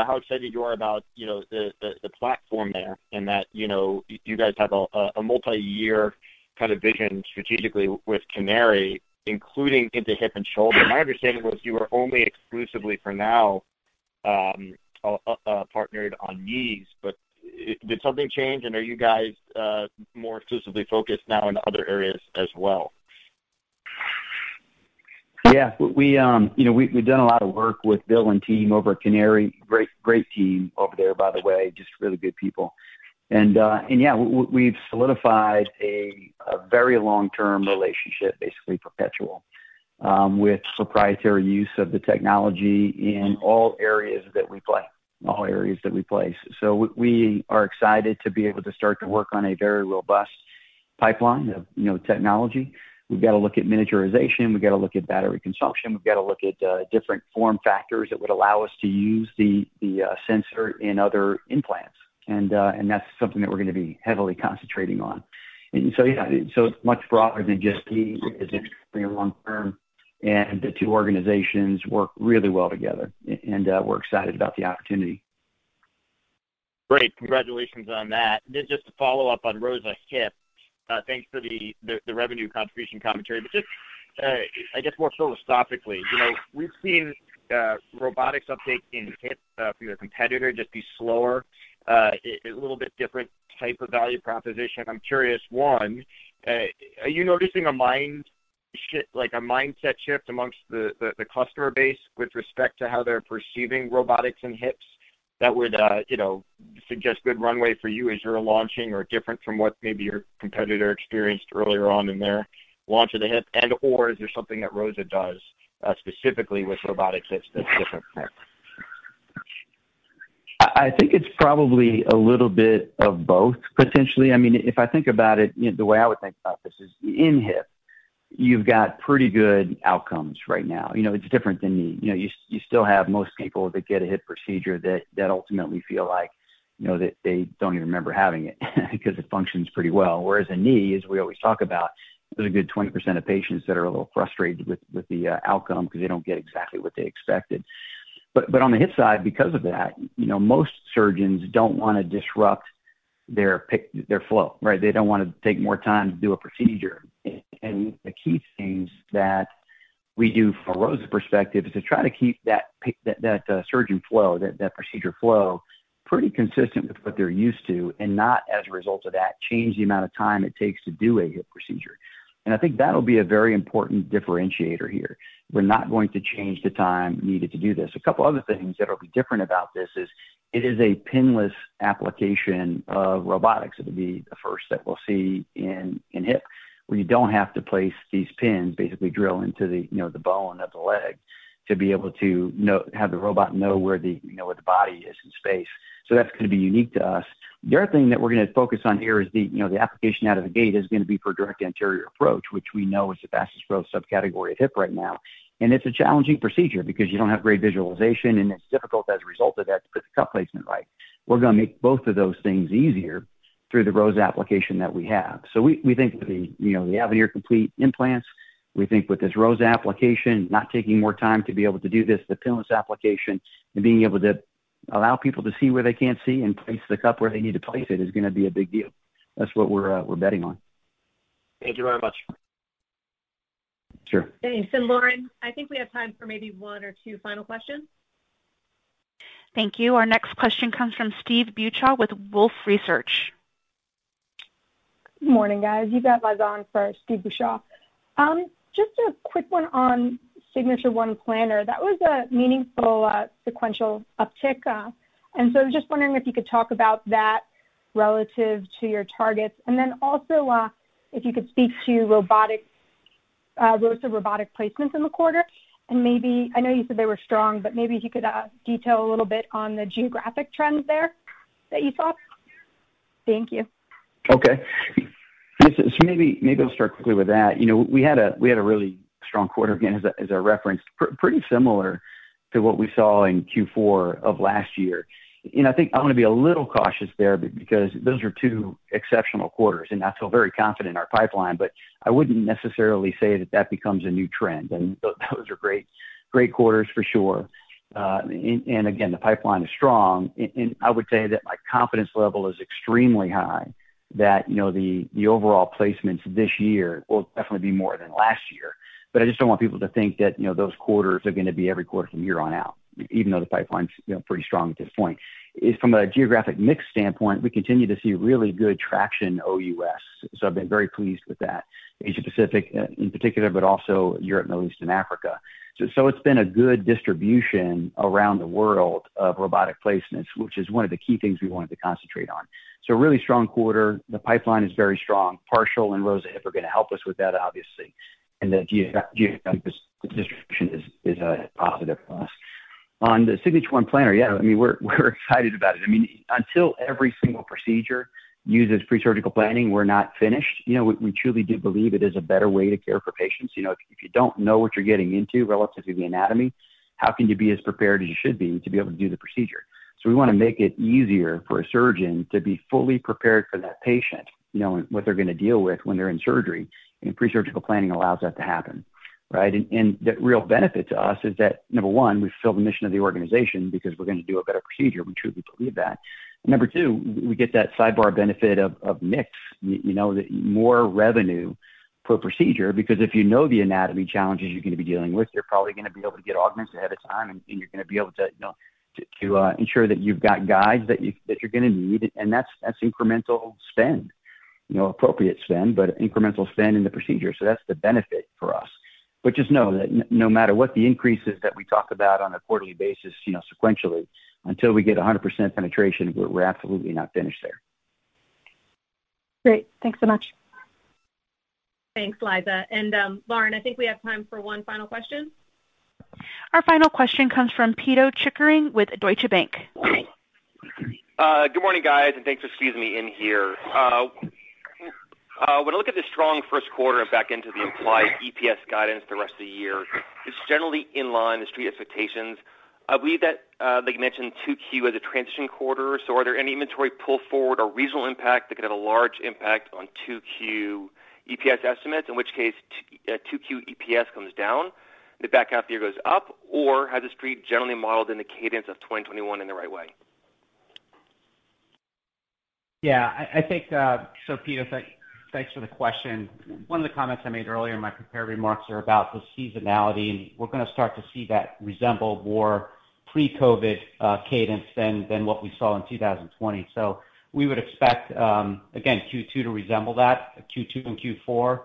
how excited you are about the platform there and that you guys have a multi-year kind of vision strategically with Canary, including into hip and shoulder. My understanding was you were only exclusively for now partnered on knees. Did something change, and are you guys more exclusively focused now in other areas as well? Yeah. We've done a lot of work with Bill and team over at Canary. Great team over there, by the way, just really good people. Yeah, we've solidified a very long-term relationship, basically perpetual, with proprietary use of the technology in all areas that we play. We are excited to be able to start to work on a very robust pipeline of technology. We've got to look at miniaturization, we've got to look at battery consumption. We've got to look at different form factors that would allow us to use the sensor in other implants. That's something that we're going to be heavily concentrating on. Yeah, it's much broader than just knees. It's very long-term, and the two organizations work really well together. We're excited about the opportunity. Great. Congratulations on that. Just to follow up on ROSA Hip. Thanks for the revenue contribution commentary, just, I guess more philosophically, we've seen robotics uptake in hip through a competitor, just be slower, a little bit different type of value proposition. I'm curious, one, are you noticing a mindset shift amongst the customer base with respect to how they're perceiving robotics in hips that would suggest good runway for you as you're launching are different from what maybe your competitor experienced earlier on in their launch of the hip? Is there something that ROSA does specifically with robotics that's different? I think it's probably a little bit of both potentially. If I think about it, the way I would think about this is in hip, you've got pretty good outcomes right now. It's different than knee. You still have most people that get a hip procedure that ultimately feel like they don't even remember having it because it functions pretty well. Whereas a knee, as we always talk about, there's a good 20% of patients that are a little frustrated with the outcome because they don't get exactly what they expected. On the hip side, because of that, most surgeons don't want to disrupt their flow, right? They don't want to take more time to do a procedure. The key things that we do from a ROSA perspective is to try to keep that surgeon flow, that procedure flow, pretty consistent with what they're used to, and not as a result of that, change the amount of time it takes to do a hip procedure. I think that'll be a very important differentiator here. We're not going to change the time needed to do this. A couple other things that'll be different about this is it is a pin-less application of robotics. It'll be the first that we'll see in hip where you don't have to place these pins, basically drill into the bone of the leg to be able to have the robot know where the body is in space. That's going to be unique to us. The other thing that we're going to focus on here is the application out of the gate is going to be for direct anterior approach, which we know is the fastest growth subcategory of hip right now. It's a challenging procedure because you don't have great visualization, and it's difficult as a result of that to put the cup placement right. We're going to make both of those things easier through the ROSA application that we have. We think with the Avenir Complete implants, we think with this ROSA application, not taking more time to be able to do this, the pin-less application, and being able to allow people to see where they can't see and place the cup where they need to place it is going to be a big deal. That's what we're betting on. Thank you very much. Sure. Thanks. Lauren, I think we have time for maybe one or two final questions. Thank you. Our next question comes from Steve Beuchaw with Wolfe Research. Good morning, guys. You've got my line for Steve Beuchaw. Just a quick one on Signature ONE Planner. That was a meaningful sequential uptick. Just wondering if you could talk about that relative to your targets. Also, if you could speak to ROSA Robotic Placements in the quarter, and maybe, I know you said they were strong, but maybe if you could detail a little bit on the geographic trends there that you saw. Thank you. Okay. Maybe I'll start quickly with that. We had a really strong quarter, again, as I referenced, pretty similar to what we saw in Q4 of last year. I think I want to be a little cautious there because those are two exceptional quarters, I feel very confident in our pipeline, I wouldn't necessarily say that that becomes a new trend. Those are great quarters for sure. Again, the pipeline is strong, and I would say that my confidence level is extremely high that the overall placements this year will definitely be more than last year. I just don't want people to think that those quarters are going to be every quarter from here on out, even though the pipeline's pretty strong at this point. From a geographic mix standpoint, we continue to see really good traction in OUS. I've been very pleased with that, Asia Pacific in particular, but also Europe, Middle East, and Africa. It's been a good distribution around the world of Robotic Placements, which is one of the key things we wanted to concentrate on. Really strong quarter. The pipeline is very strong. Partial and ROSA Hip are going to help us with that, obviously. The geographic distribution is a positive for us. On the Signature ONE Planner, we're excited about it. Until every single procedure uses pre-surgical planning, we're not finished. We truly do believe it is a better way to care for patients. If you don't know what you're getting into relative to the anatomy, how can you be as prepared as you should be to be able to do the procedure? We want to make it easier for a surgeon to be fully prepared for that patient knowing what they're going to deal with when they're in surgery, and pre-surgical planning allows that to happen, right? The real benefit to us is that, number one, we fulfill the mission of the organization because we're going to do a better procedure. We truly believe that. Number two, we get that sidebar benefit of mix, the more revenue per procedure. If you know the anatomy challenges you're going to be dealing with, you're probably going to be able to get augments ahead of time, and you're going to be able to ensure that you've got guides that you're going to need, and that's incremental spend. Appropriate spend, but incremental spend in the procedure. That's the benefit for us. Just know that no matter what the increases that we talk about on a quarterly basis sequentially, until we get 100% penetration, we're absolutely not finished there. Great. Thanks so much. Thanks, Liza. Lauren, I think we have time for one final question. Our final question comes from Pito Chickering with Deutsche Bank. Good morning, guys. Thanks for squeezing me in here. When I look at the strong first quarter back into the implied EPS guidance the rest of the year, it's generally in line with street expectations. I believe that they mentioned Q2 as a transition quarter. Are there any inventory pull-forward or regional impact that could have a large impact on Q2 EPS estimates, in which case Q2 EPS comes down, the back half of the year goes up? Has the street generally modeled in the cadence of 2021 in the right way? Yeah. Pito, thanks for the question. One of the comments I made earlier in my prepared remarks are about the seasonality, and we're going to start to see that resemble more pre-COVID cadence than what we saw in 2020. We would expect, again, Q2 to resemble that. Q2 and Q4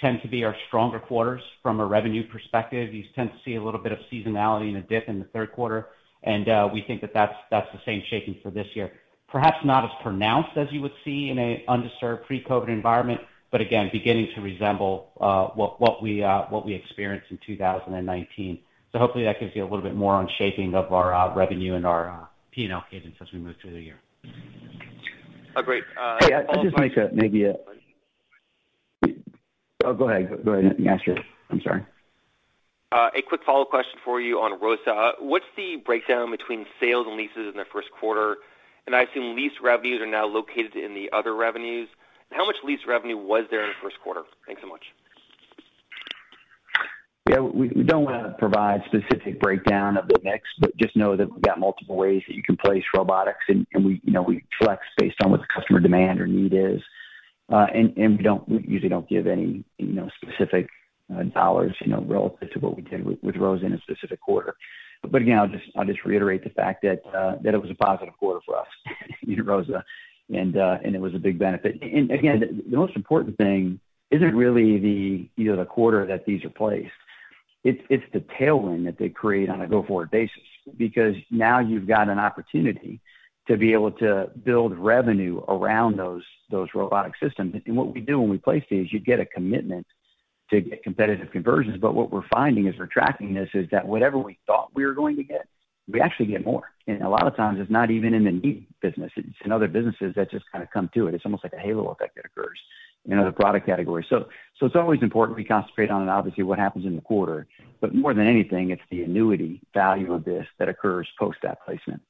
tend to be our stronger quarters from a revenue perspective. You tend to see a little bit of seasonality and a dip in the third quarter, and we think that's the same shaping for this year. Perhaps not as pronounced as you would see in an undisturbed pre-COVID environment, but again, beginning to resemble what we experienced in 2019. Hopefully that gives you a little bit more on shaping of our revenue and our P&L cadence as we move through the year. Great. Hey, I'd just make maybe oh, go ahead. Go ahead, Pito. I'm sorry. A quick follow-up question for you on ROSA. What's the breakdown between sales and leases in the first quarter? I assume lease revenues are now located in the other revenues. How much lease revenue was there in the first quarter? Thanks so much. Yeah. We don't want to provide specific breakdown of the mix, but just know that we've got multiple ways that you can place robotics, and we flex based on what the customer demand or need is. We usually don't give any specific dollars relative to what we did with ROSA in a specific quarter. Again, I'll just reiterate the fact that it was a positive quarter for us in ROSA, and it was a big benefit. Again, the most important thing isn't really the quarter that these are placed. It's the tailwind that they create on a go-forward basis. Now you've got an opportunity to be able to build revenue around those robotic systems. What we do when we place these, you get a commitment to get competitive conversions. What we're finding as we're tracking this is that whatever we thought we were going to get, we actually get more. A lot of times, it's not even in the knee business, it's in other businesses that just kind of come to it. It's almost like a halo effect that occurs in other product categories. It's always important we concentrate on, obviously, what happens in the quarter. More than anything, it's the annuity value of this that occurs post that placement.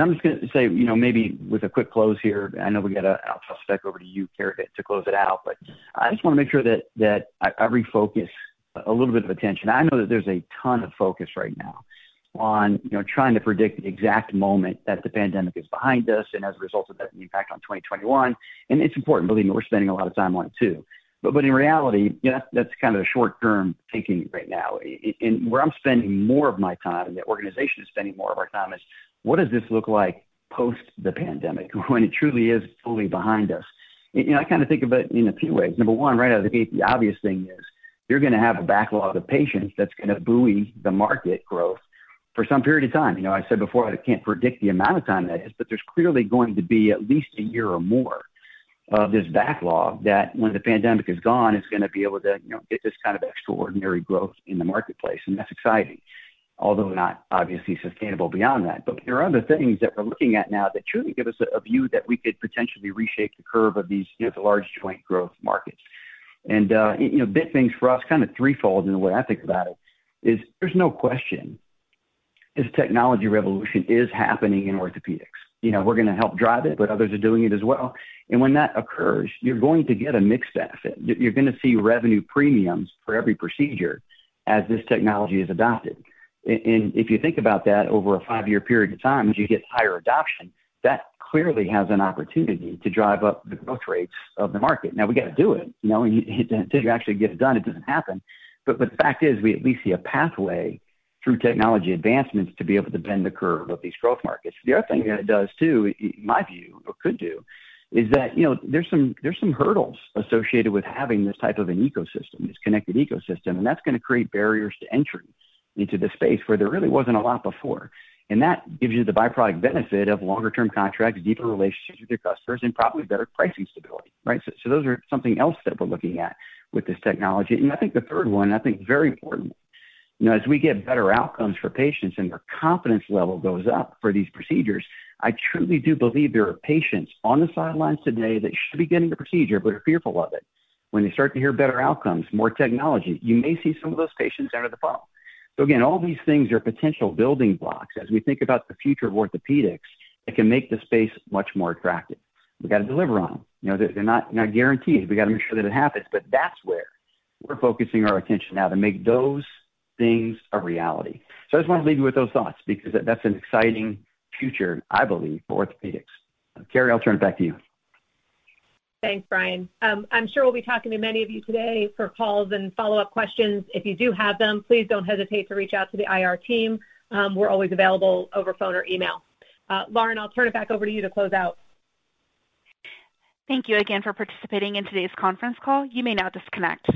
I'm just going to say, maybe with a quick close here, I know I'll just back over to you, Keri, to close it out, but I just want to make sure that I refocus a little bit of attention. I know that there's a ton of focus right now on trying to predict the exact moment that the pandemic is behind us and as a result of that, the impact on 2021, and it's important. Believe me, we're spending a lot of time on it too. In reality, that's kind of the short-term thinking right now. Where I'm spending more of my time and the organization is spending more of our time is, what does this look like post the pandemic when it truly is fully behind us? I kind of think of it in a few ways. Number one, right out of the gate, the obvious thing is you're going to have a backlog of patients that's going to buoy the market growth for some period of time. I said before, I can't predict the amount of time that is, but there's clearly going to be at least a year or more of this backlog that when the pandemic is gone, it's going to be able to get this kind of extraordinary growth in the marketplace. That's exciting, although not obviously sustainable beyond that. There are other things that we're looking at now that truly give us a view that we could potentially reshape the curve of these large joint growth markets. Big things for us, kind of threefold in the way I think about it is, there's no question this technology revolution is happening in orthopedics. We're going to help drive it, but others are doing it as well. When that occurs, you're going to get a mix effect. You're going to see revenue premiums for every procedure as this technology is adopted. If you think about that over a five-year period of time, as you get higher adoption, that clearly has an opportunity to drive up the growth rates of the market. Now we got to do it. Until you actually get it done, it doesn't happen. The fact is, we at least see a pathway through technology advancements to be able to bend the curve of these growth markets. The other thing that it does too, in my view, or could do, is that there's some hurdles associated with having this type of an ecosystem, this connected ecosystem, and that's going to create barriers to entry into the space where there really wasn't a lot before. That gives you the byproduct benefit of longer-term contracts, deeper relationships with your customers, and probably better pricing stability, right? Those are something else that we're looking at with this technology. I think the third one, very important. As we get better outcomes for patients and their confidence level goes up for these procedures, I truly do believe there are patients on the sidelines today that should be getting the procedure but are fearful of it. When they start to hear better outcomes, more technology, you may see some of those patients enter the funnel. Again, all these things are potential building blocks as we think about the future of orthopedics that can make the space much more attractive. We've got to deliver on them. They're not guarantees. We've got to make sure that it happens, but that's where we're focusing our attention now, to make those things a reality. I just want to leave you with those thoughts because that's an exciting future, I believe, for orthopedics. Keri, I'll turn it back to you. Thanks, Bryan. I'm sure we'll be talking to many of you today for calls and follow-up questions. If you do have them, please don't hesitate to reach out to the IR team. We're always available over phone or email. Lauren, I'll turn it back over to you to close out. Thank you again for participating in today's conference call. You may now disconnect.